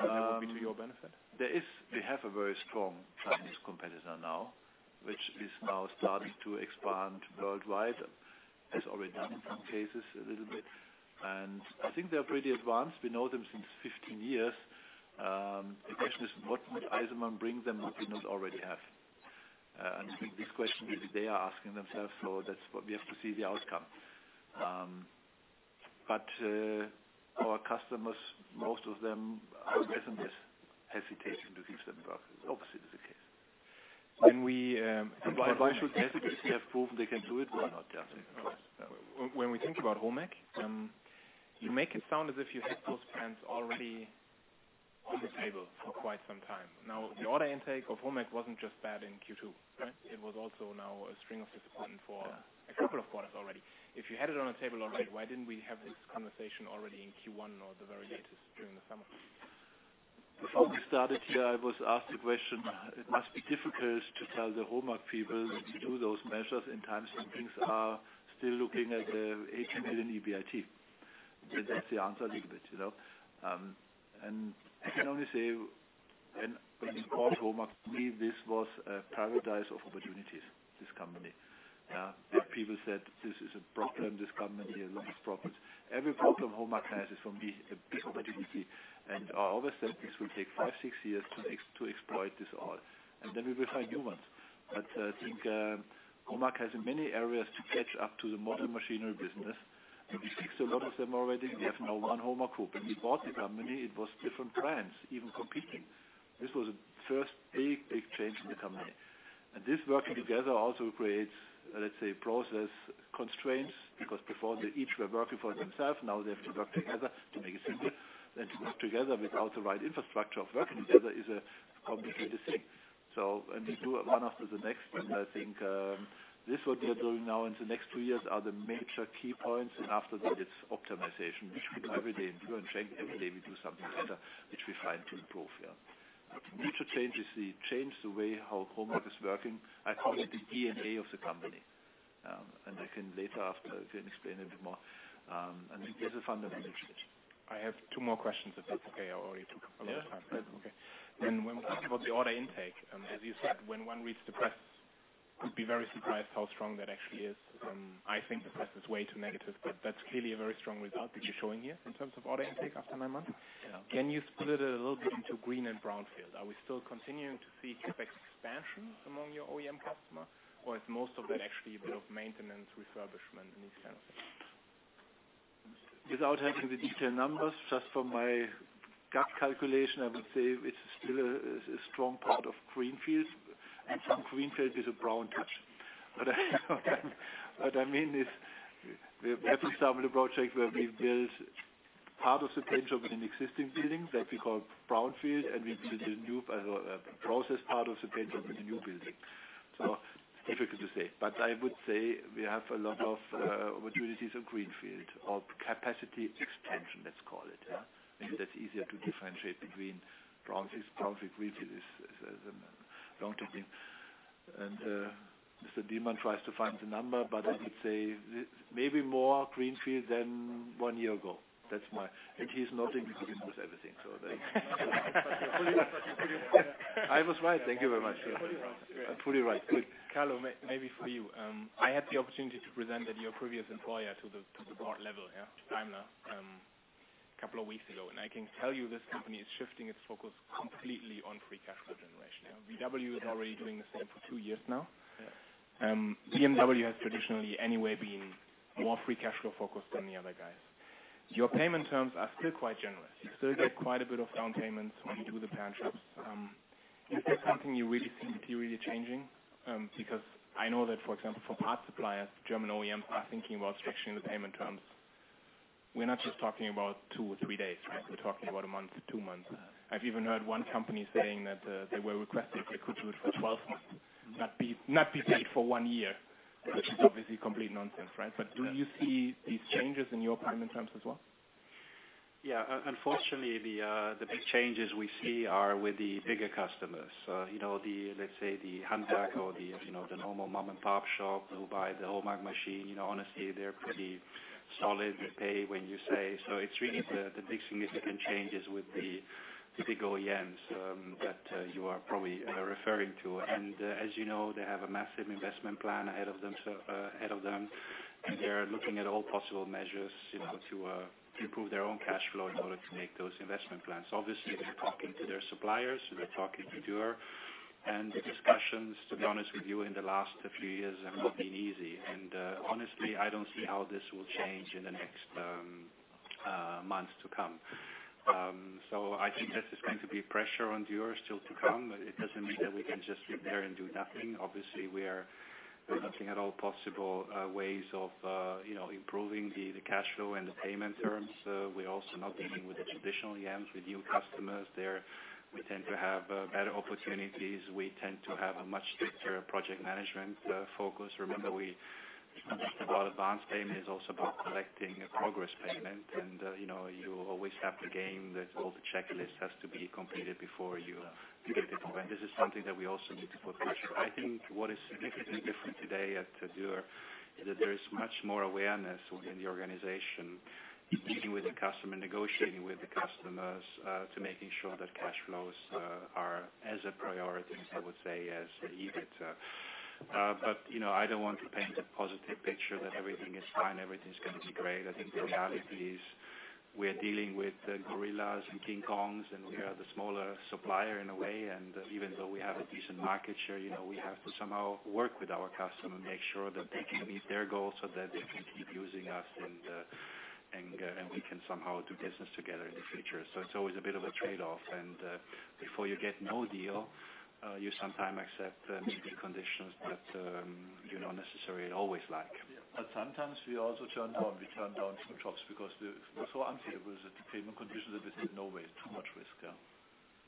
Would that be to your benefit? There is. We have a very strong Chinese competitor now, which is now starting to expand worldwide. It's already done in some cases a little bit. And I think they're pretty advanced. We know them since 15 years. The question is, what would Eisenmann bring them that we don't already have? And I think this question they are asking themselves, so that's what we have to see the outcome. But our customers, most of them, I guess, are hesitating to give them a product. Obviously, it is the case. When we supply them, they have to prove they can do it or not, yeah. When we think about HOMAG, you make it sound as if you had those plans already on the table for quite some time. Now, the order intake of HOMAG wasn't just bad in Q2, right? It was also now a string of disappointments for a couple of quarters already. If you had it on the table already, why didn't we have this conversation already in Q1 or the very latest during the summer? Before we started here, I was asked the question, it must be difficult to tell the HOMAG people to do those measures in times when things are still looking at the 80 million EBIT. That's the answer a little bit, and I can only say, when we called HOMAG, for me, this was a paradise of opportunities, this company. Yeah. People said, "This is a problem. This government here looks problem." Every problem HOMAG has is, for me, a big opportunity, and I always said this will take five, six years to exploit this all, and then we will find new ones, but I think HOMAG has in many areas to catch up to the modern machinery business. We fixed a lot of them already. We have now one HOMAG Group. When we bought the company, it was different brands, even competing. This was the first big, big change in the company, and this working together also creates, let's say, process constraints because before they each were working for themselves, now they have to work together to make it simpler, and to work together without the right infrastructure of working together is a complicated thing. So when we do one after the next, I think this what we are doing now in the next two years are the major key points. And after that, it's optimization, which we do every day in Dürr, and frankly, every day we do something better, which we find to improve, yeah. The major change is the change the way how HOMAG is working. I call it the DNA of the company. And later after, I can explain a bit more. And this is a fundamental change. I have two more questions, if that's okay. I already took a lot of time. Okay. Then when we talk about the order intake, as you said, when one reads the press, you'd be very surprised how strong that actually is. I think the press is way too negative, but that's clearly a very strong result that you're showing here in terms of order intake after nine months. Can you split it a little bit into green and brownfield? Are we still continuing to see CAPEX expansion among your OEM customer, or is most of that actually a bit of maintenance, refurbishment, and these kinds of things? Without having the detailed numbers, just from my gut calculation, I would say it's still a strong part of greenfield, and some greenfield is a brown touch. What I mean is, we have example of a project where we built part of the paint job with an existing building that we call brownfield, and we did a new process part of the paint job with a new building, so it's difficult to say. But I would say we have a lot of opportunities of greenfield or capacity expansion, let's call it, yeah. Maybe that's easier to differentiate between brownfield, greenfield is a long-term thing. And Mr. Dieter tries to find the number, but I would say maybe more greenfield than one year ago. That's my - and he's not in greenfield with everything, so that's I was right. Thank you very much. You're absolutely right. I'm fully right. Good. Carlo, maybe for you. I had the opportunity to present at your previous employer to the board level, yeah, Daimler, a couple of weeks ago. And I can tell you this company is shifting its focus completely on free cash flow generation. VW is already doing the same for two years now. BMW has traditionally anyway been more free cash flow focused than the other guys. Your payment terms are still quite generous. You still get quite a bit of down payments when you do the paint jobs. Is this something you really see materially changing? Because I know that, for example, for parts suppliers, German OEMs are thinking about structuring the payment terms. We're not just talking about two or three days, right? We're talking about a month, two months. I've even heard one company saying that they were requested they could do it for 12 months, not be paid for one year, which is obviously complete nonsense, right? But do you see these changes in your payment terms as well? Yeah. Unfortunately, the big changes we see are with the bigger customers. Let's say the handbag or the normal mom-and-pop shop who buy the HOMAG machine, honestly, they're pretty solid pay when you say. It's really the big significant changes with the big OEMs that you are probably referring to. And as you know, they have a massive investment plan ahead of them, and they're looking at all possible measures to improve their own cash flow in order to make those investment plans. Obviously, they're talking to their suppliers, they're talking to Dürr, and the discussions, to be honest with you, in the last few years have not been easy. And honestly, I don't see how this will change in the next months to come. I think that there's going to be pressure on Dürr still to come. It doesn't mean that we can just sit there and do nothing. Obviously, we are looking at all possible ways of improving the cash flow and the payment terms. We're also not dealing with the traditional OEMs with new customers. We tend to have better opportunities. We tend to have a much stricter project management focus. Remember, it's not just about advance payment. It's also about collecting a progress payment, and you always have to game that all the checklists have to be completed before you get it. And this is something that we also need to put pressure. I think what is significantly different today at Dürr is that there is much more awareness within the organization, meeting with the customer, negotiating with the customers to making sure that cash flows are as a priority, I would say, as needed. But I don't want to paint a positive picture that everything is fine, everything's going to be great. I think the reality is we are dealing with gorillas and King Kongs, and we are the smaller supplier in a way. Even though we have a decent market share, we have to somehow work with our customers, make sure that they can meet their goals so that they can keep using us, and we can somehow do business together in the future. So it's always a bit of a trade-off. Before you get no deal, you sometimes accept meaty conditions that you don't necessarily always like. But sometimes we also turn down, we turn down some jobs because we feel so unfavorable that the payment conditions are a bit in the way. It's too much risk, yeah.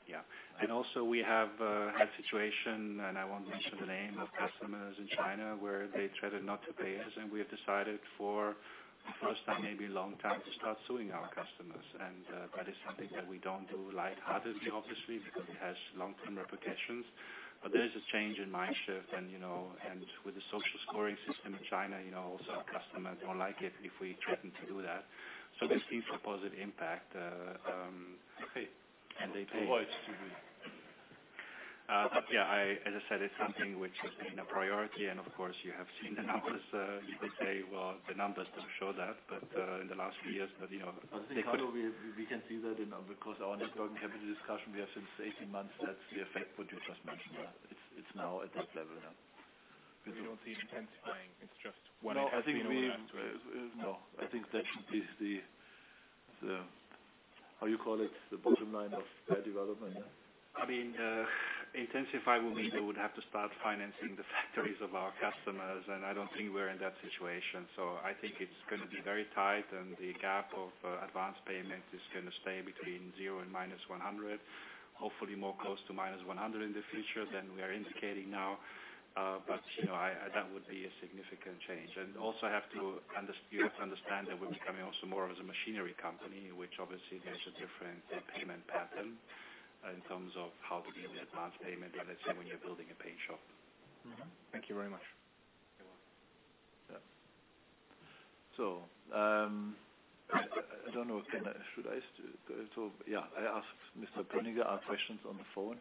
Yeah. Also, we have had a situation, and I won't mention the name of customers in China, where they threatened not to pay us. We have decided for the first time, maybe a long time, to start suing our customers. And that is something that we don't do lightheartedly, obviously, because it has long-term repercussions. But there is a change in mindshift. And with the social scoring system in China, also our customers don't like it if we threaten to do that. So this seems to have a positive impact. And they pay. Oh, it's too good. But yeah, as I said, it's something which has been a priority. And of course, you have seen the numbers. You can say, well, the numbers don't show that, but in the last few years, but they could. We can see that because our net working capital discussion we have since 18 months, that's the effect what you just mentioned. It's now at that level now. You don't see intensifying. It's just one account to another. No. I think that should be the, how you call it, the bottom line of their development, yeah? I mean, intensify would mean they would have to start financing the factories of our customers. And I don't think we're in that situation. So I think it's going to be very tight, and the gap of advance payment is going to stay between zero and minus 100, hopefully more close to minus 100 in the future than we are indicating now. But that would be a significant change. And also, you have to understand that we're becoming also more of a machinery company, which obviously there's a different payment pattern in terms of how to do the advance payment, let's say, when you're building a paint shop. Thank you very much. You're welcome. So I don't know if should I still, yeah, I asked Mr. Perniger our questions on the phone.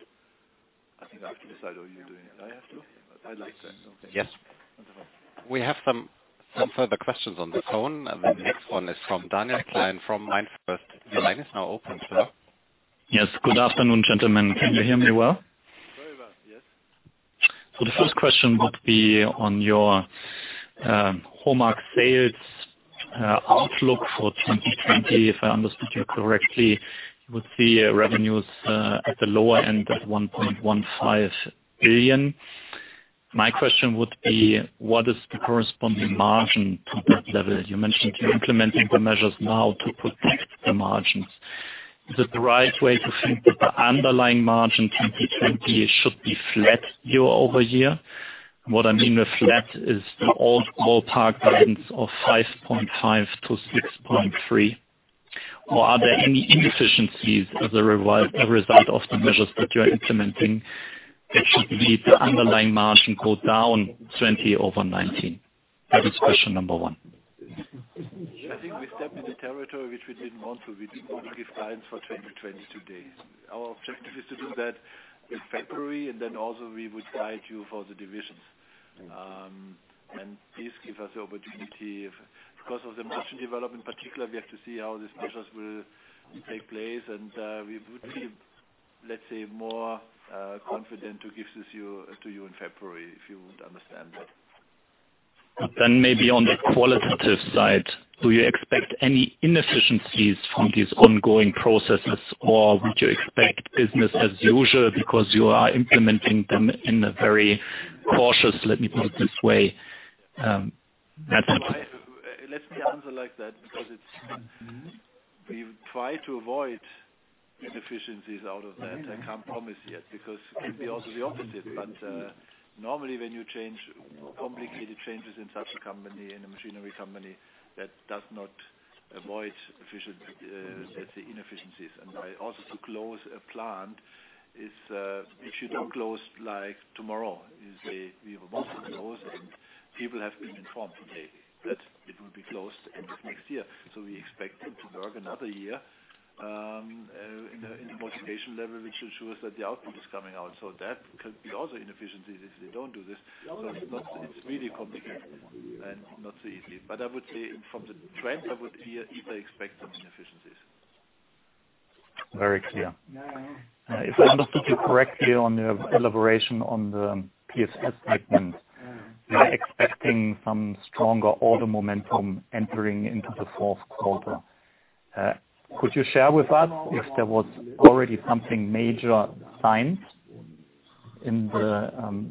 I think I have to decide what you're doing. I have to. I'd like to. Okay. Yes. Wonderful. We have some further questions on the phone. The next one is from Daniel Gleim from MainFirst. The line is now open, sir. Yes. Good afternoon, gentlemen. Can you hear me well? Very well, yes. So the first question would be on your HOMAG sales outlook for 2020. If I understood you correctly, you would see revenues at the lower end of 1.15 billion. My question would be, what is the corresponding margin to that level? You mentioned you're implementing the measures now to protect the margins. Is it the right way to think that the underlying margin in 2020 should be flat year-over-year? What I mean with flat is the old ballpark balance of 5.5%-6.3%. Or are there any inefficiencies as a result of the measures that you're implementing that should lead the underlying margin to go down 20 over 19? That is question number one. I think we step in the territory which we didn't want to. We didn't want to give guidance for 2020 today. Our objective is to do that in February, and then also we would guide you for the divisions. And please give us the opportunity. Because of the machine development, particularly, we have to see how these measures will take place. And we would be, let's say, more confident to give this to you in February if you would understand that. Then maybe on the qualitative side, do you expect any inefficiencies from these ongoing processes, or would you expect business as usual because you are implementing them in a very cautious, let me put it this way, method? Let me answer like that because we try to avoid inefficiencies out of that. I can't promise yet because it could be also the opposite. But normally, when you change complicated changes in such a company, in a machinery company, that does not avoid efficient, let's say, inefficiencies. And also to close a plant is if you don't close tomorrow, you say we want to close, and people have been informed today that it will be closed end of next year. So we expect them to work another year in the modification level, which ensures that the output is coming out. So that could be also inefficiencies if they don't do this. So it's really complicated and not so easy. But I would say from the trend, I would either expect some inefficiencies. Very clear. If I understood you correctly on the elaboration on the PFS statement, we're expecting some stronger order momentum entering into the fourth quarter. Could you share with us if there was already something major signed in the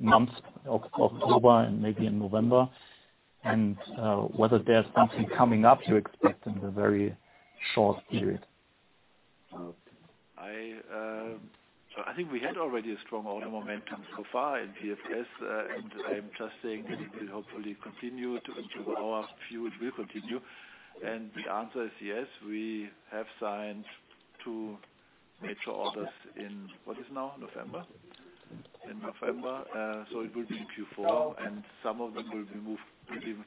months of October and maybe in November, and whether there's something coming up you expect in the very short period? So I think we had already a strong order momentum so far in PFS, and I'm just saying that it will hopefully continue to improve our few—it will continue. And the answer is yes. We have signed two major orders in what is now November. In November. So it will be in Q4, and some of them will be moved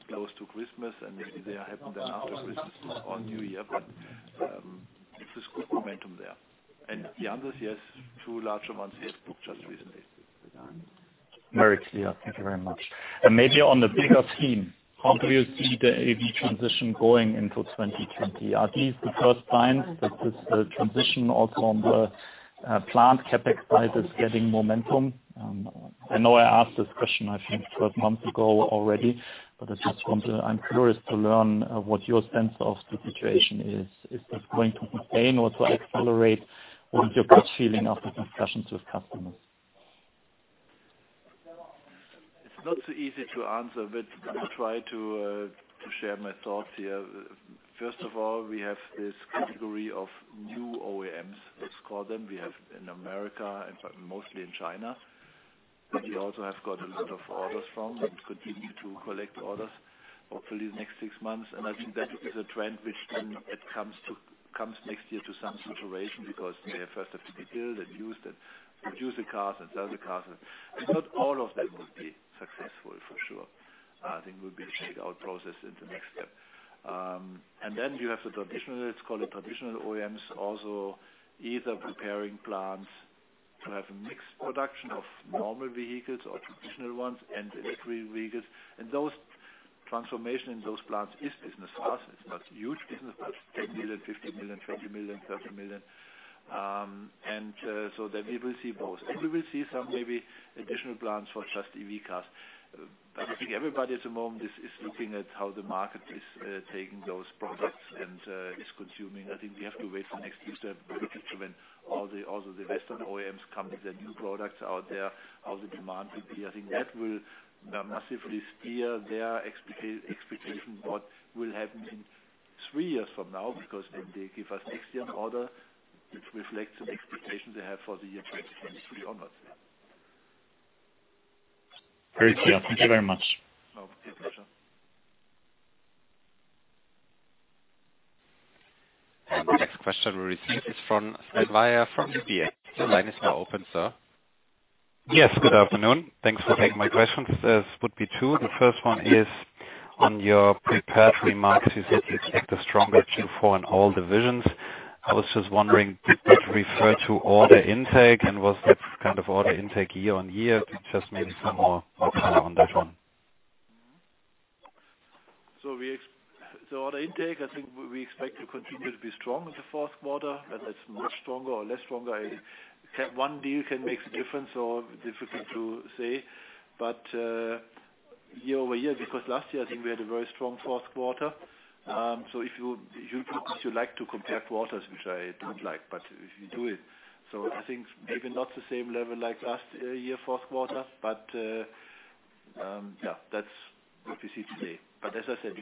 close to Christmas, and maybe they are happening then after Christmas or New Year. But there's good momentum there. And the answer is yes, two larger ones we have booked just recently. Very clear. Thank you very much. And maybe on the bigger scheme, how do you see the EV transition going into 2020? Are these the first signs that this transition also on the plant CapEx side is getting momentum? I know I asked this question, I think, 12 months ago already, but I just wanted, I'm curious to learn what your sense of the situation is. Is this going to sustain or to accelerate? What is your gut feeling after discussions with customers? It's not so easy to answer, but I'll try to share my thoughts here. First of all, we have this category of new OEMs, let's call them. We have in America and mostly in China, but we also have got a lot of orders from continuing to collect orders, hopefully in the next six months. And I think that is a trend which then comes next year to some situation because they first have to be built and used and produce the cars and sell the cars. Not all of them will be successful, for sure. I think it will be a shakeout process in the next step. And then you have the traditional, let's call it, traditional OEMs also either preparing plants to have a mixed production of normal vehicles or traditional ones and electric vehicles. And those transformations in those plants is business fast. It's not huge business, but 10 million, 50 million, 20 million, 30 million. And so then we will see both. And we will see some maybe additional plants for just EV cars. But I think everybody at the moment is looking at how the market is taking those products and is consuming. I think we have to wait for next year to have a bigger instrument. Also, the Western OEMs come with their new products out there. How the demand will be, I think that will massively steer their expectation of what will happen in three years from now because when they give us next year's order, it reflects some expectations they have for the year 2023 onwards. Very clear. Thank you very much. Oh, it's a pleasure. And the next question we received is from Sven Weier from UBS. Your line is now open, sir. Yes. Good afternoon. Thanks for taking my questions. There would be two. The first one is on your prepared remarks. You said you expect a stronger Q4 in all divisions. I was just wondering, did that refer to order intake, and was that kind of order intake year-on-year? Just maybe some more color on that one. So order intake, I think we expect to continue to be strong in the fourth quarter, whether it's much stronger or less stronger. One deal can make a difference, so difficult to say, but year-over-year, because last year, I think we had a very strong fourth quarter, so if you like to compare quarters, which I don't like, but if you do it, so I think maybe not the same level like last year's fourth quarter, but yeah, that's what we see today, but as I said,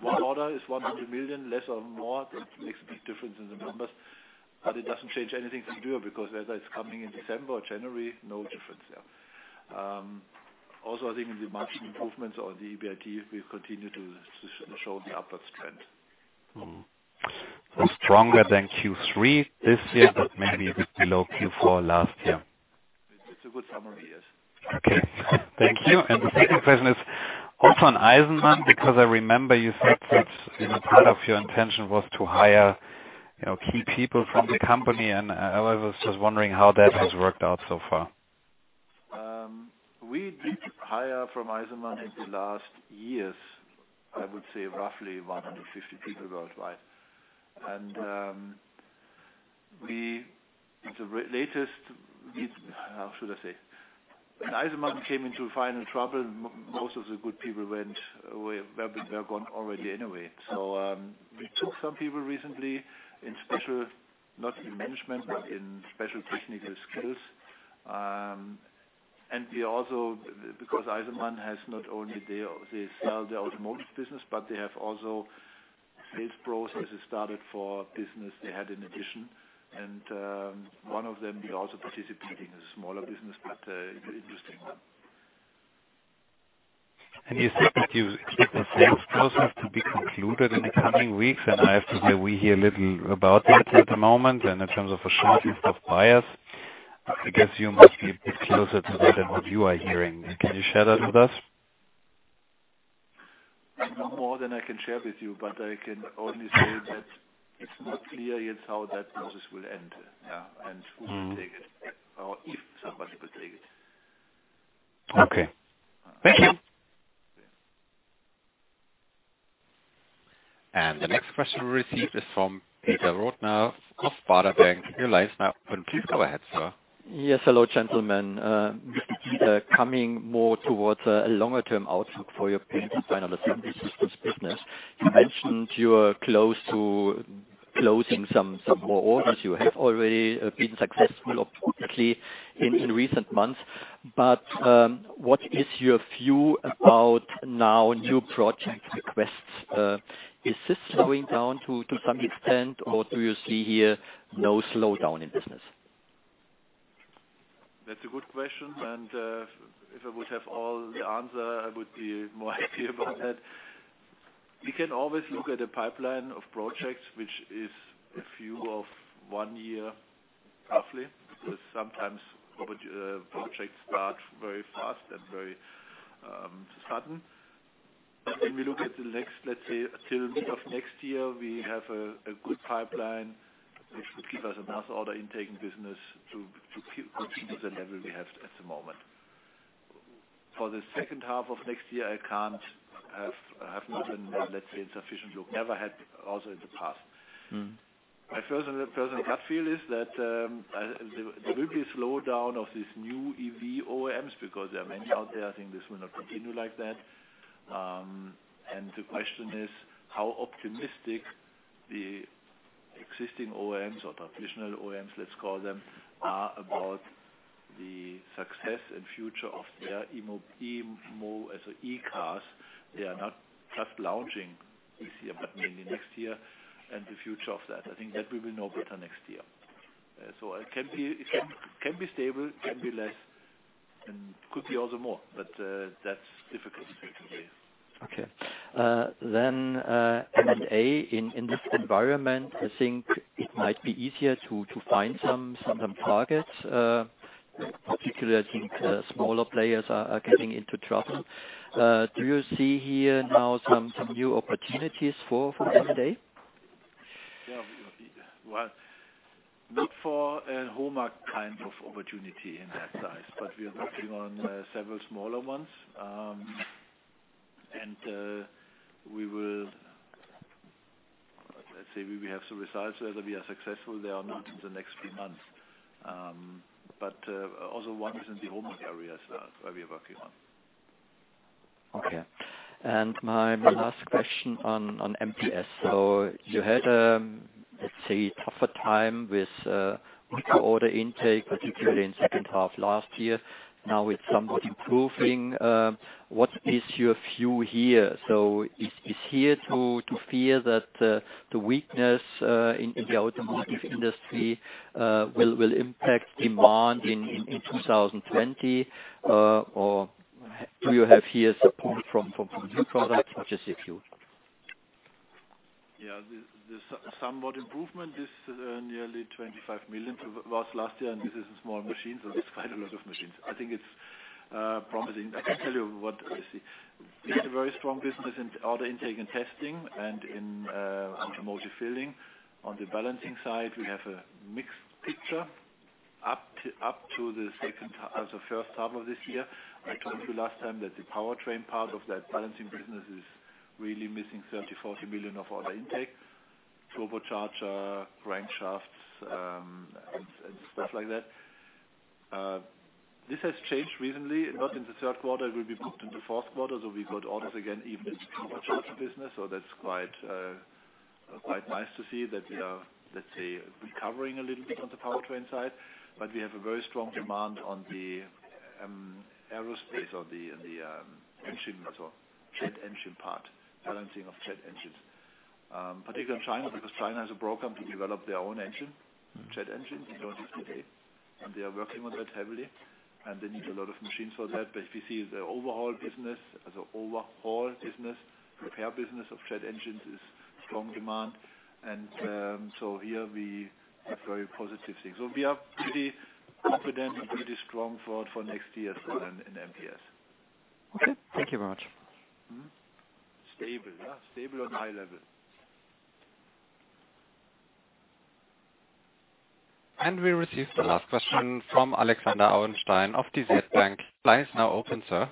one order is 100 million, less or more. That makes a big difference in the numbers but it doesn't change anything for Dürr because whether it's coming in December or January, no difference there. Also, I think in the margin improvements on the EBIT, we'll continue to show the upward trend. Stronger than Q3 this year, but maybe a bit below Q4 last year. It's a good summary, yes. Okay. Thank you. And the second question is also on Eisenmann because I remember you said that part of your intention was to hire key people from the company. And I was just wondering how that has worked out so far. We did hire from Eisenmann in the last years. I would say roughly 150 people worldwide. And the latest, how should I say? When Eisenmann came into final trouble, most of the good people were gone already anyway. So we took some people recently in special, not in management, but in special technical skills. And we also, because Eisenmann has not only they sell the automotive business, but they have also sales processes started for business they had in addition. And one of them will also participate in a smaller business, but interesting one. And you said that you expect the sales process to be concluded in the coming weeks. I have to say we hear little about it at the moment. In terms of a shortlist of buyers, I guess you must be a bit closer to what you are hearing. Can you share that with us? Not more than I can share with you, but I can only say that it's not clear yet how that process will end and who will take it or if somebody will take it. Okay. Thank you. The next question we received is from Peter Rothenaicher of Baader Bank. Now, please go ahead, sir. Yes. Hello, gentlemen. Coming more towards a longer-term outlook for your Paint and Final Assembly Systems business, you mentioned you're close to closing some more orders. You have already been successful, obviously, in recent months. But what is your view about now new project requests? Is this slowing down to some extent, or do you see here no slowdown in business? That's a good question, and if I would have all the answer, I would be more happy about that. We can always look at a pipeline of projects, which is a view of one year, roughly. Sometimes projects start very fast and very sudden, but when we look at the next, let's say, till mid of next year, we have a good pipeline, which would give us enough order intake in business to continue the level we have at the moment. For the second half of next year, I have not, let's say, sufficient outlook. Never had also in the past. My personal gut feel is that there will be a slowdown of these new EV OEMs because there are many out there. I think this will not continue like that. The question is how optimistic the existing OEMs or traditional OEMs, let's call them, are about the success and future of their EVs, as in E cars. They are not just launching this year, but mainly next year and the future of that. I think that we will know better next year. It can be stable, can be less, and could be also more, but that's difficult to say. Okay. M&A in this environment, I think it might be easier to find some targets, particularly, I think smaller players are getting into trouble. Do you see here now some new opportunities for M&A? Yeah. Not for a whole kind of opportunity in that size, but we are working on several smaller ones. We will, let's say, we have some results whether we are successful there or not in the next few months. But also, one is in the HOMAG area as well where we are working on. Okay. And my last question on MPS. So you had, let's say, a tougher time with order intake, particularly in the second half last year. Now it's somewhat improving. What is your view here? So is there to fear that the weakness in the automotive industry will impact demand in 2020, or do you have here support from new products? What is your view? Yeah. The somewhat improvement is nearly 25 million to what was last year, and this is a small machine, so there's quite a lot of machines. I think it's promising. I can tell you what I see. We have a very strong business in order intake and testing and in automotive filling. On the balancing side, we have a mixed picture up to the second half, the first half of this year. I told you last time that the powertrain part of that balancing business is really missing 30–40 million of order intake, turbocharger, crankshafts, and stuff like that. This has changed recently, not in the third quarter. It will be booked in the fourth quarter, so we got orders again even in the turbocharger business, so that's quite nice to see that we are, let's say, recovering a little bit on the powertrain side, but we have a very strong demand on the aerospace, on the engine part, balancing of jet engines, particularly in China because China has a program to develop their own engine, jet engines, and they are working on that heavily, and they need a lot of machines for that. But if you see the overall business, as an overhaul business, repair business of jet engines is strong demand. And so here we have very positive things. So we are pretty confident and pretty strong for next year's plan in MPS. Okay. Thank you very much. Stable. Stable on high level. And we received the last question from Alexander Hauenstein of DZ Bank. Line is now open, sir.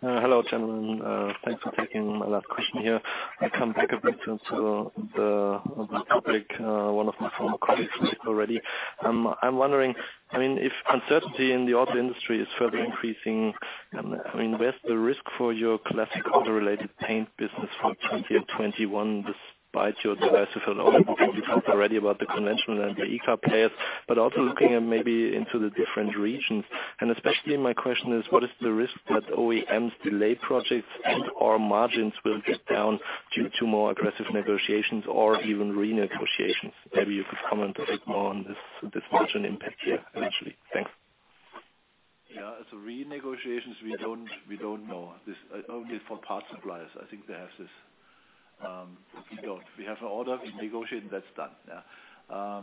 Hello, gentlemen. Thanks for taking my last question here. I'll come back a bit to the public, one of my former colleagues already. I'm wondering, I mean, if uncertainty in the auto industry is further increasing, I mean, where's the risk for your classic auto-related paint business from 2021 despite your decision to fill the order? We talked already about the conventional and the E car players, but also looking at maybe into the different regions. Especially my question is, what is the risk that OEMs' delay projects and/or margins will get down due to more aggressive negotiations or even renegotiations? Maybe you could comment a bit more on this margin impact here, eventually. Thanks. Yeah. As for renegotiations, we don't know. This is only for parts suppliers. I think they have this. We don't. We have an order, we negotiate, and that's done. Yeah.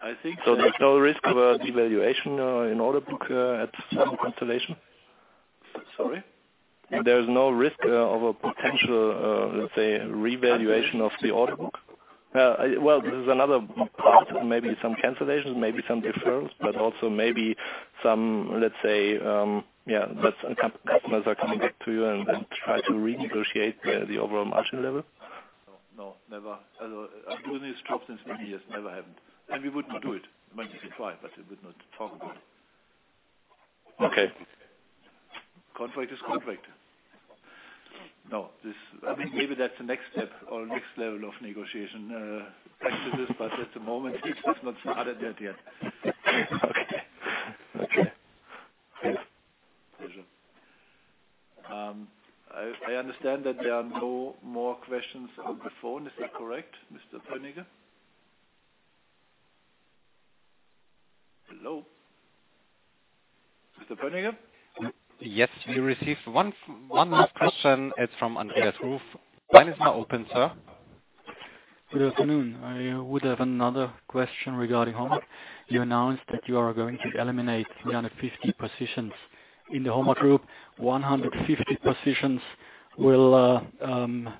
I think. There's no risk of a devaluation in order book or some cancellation? Sorry? There's no risk of a potential, let's say, revaluation of the order book? This is another part. Maybe some cancellations, maybe some deferrals, but also maybe some, let's say, yeah, that customers are coming back to you and try to renegotiate the overall margin level? No, never. I mean, this job since many years never happened. We wouldn't do it. I mean, we could try, but we would not talk about it. Okay. Contract is contract. No. I mean, maybe that's the next step or next level of negotiation practices, but at the moment, it has not started that yet. Okay. Okay. Pleasure. I understand that there are no more questions on the phone. Is that correct, Mr. Perniger? Hello? Mr. Perniger? Yes. We received one last question. It's from Andreas Ruf. Line is now open, sir. Good afternoon. I would have another question regarding HOMAG. You announced that you are going to eliminate 350 positions in the HOMAG group. 150 positions will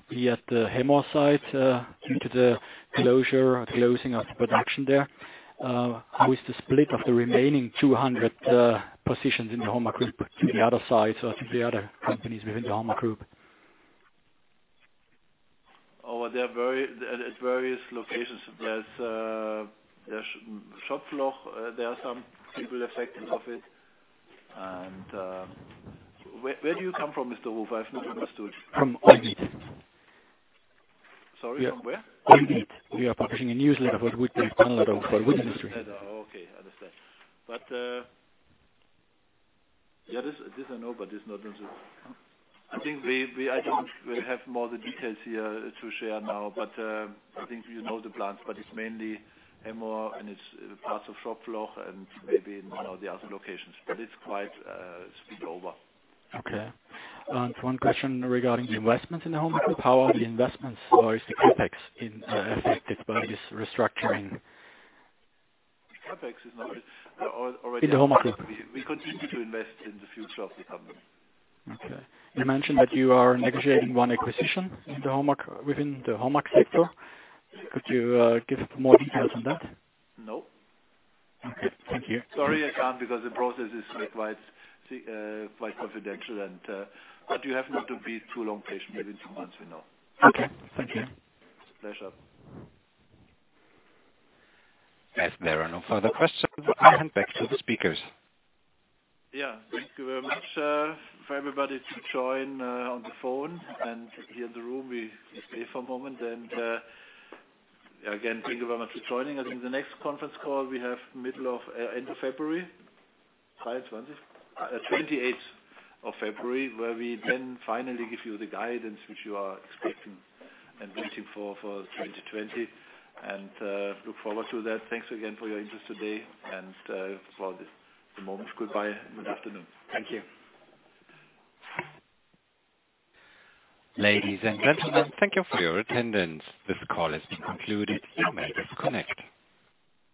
be at the Hemmoor site due to the closure, closing of production there. How is the split of the remaining 200 positions in the HOMAG group to the other sites or to the other companies within the HOMAG group? Oh, at various locations. There's shop floor. There are some people affected of it, and where do you come from, Mr. Ruf? I have not understood. From EUWID. Sorry? From where? From EUWID. We are publishing a newsletter for EUWID, a panel for the wood industry. Oh, okay. I understand. But yeah, this I know, but this is not. I think I don't have more of the details here to share now, but I think you know the plans, but it's mainly Hemmoor and it's parts of shop floor and maybe in the other locations. But it's quite split over. Okay. One question regarding investments in the HOMAG Group. How are the investments or is the CapEx affected by this restructuring? CapEx is not already. In the HOMAG Group. We continue to invest in the future of the company. Okay. You mentioned that you are negotiating one acquisition within the HOMAG sector. Could you give more details on that? No. Okay. Thank you. Sorry, I can't because the process is quite confidential. But you have not to be too long-patient. Within two months, we know. Okay. Thank you. It's a pleasure. If there are no further questions, I'll hand back to the speakers. Yeah. Thank you very much for everybody to join on the phone. And here in the room, we stay for a moment. And again, thank you very much for joining us. In the next conference call, we have middle of end of February, 28th of February, where we then finally give you the guidance which you are expecting and waiting for 2020. And look forward to that. Thanks again for your interest today and for the moment. Goodbye. Good afternoon. Thank you. Ladies and gentlemen, thank you for your attendance. This call has been concluded. You may disconnect.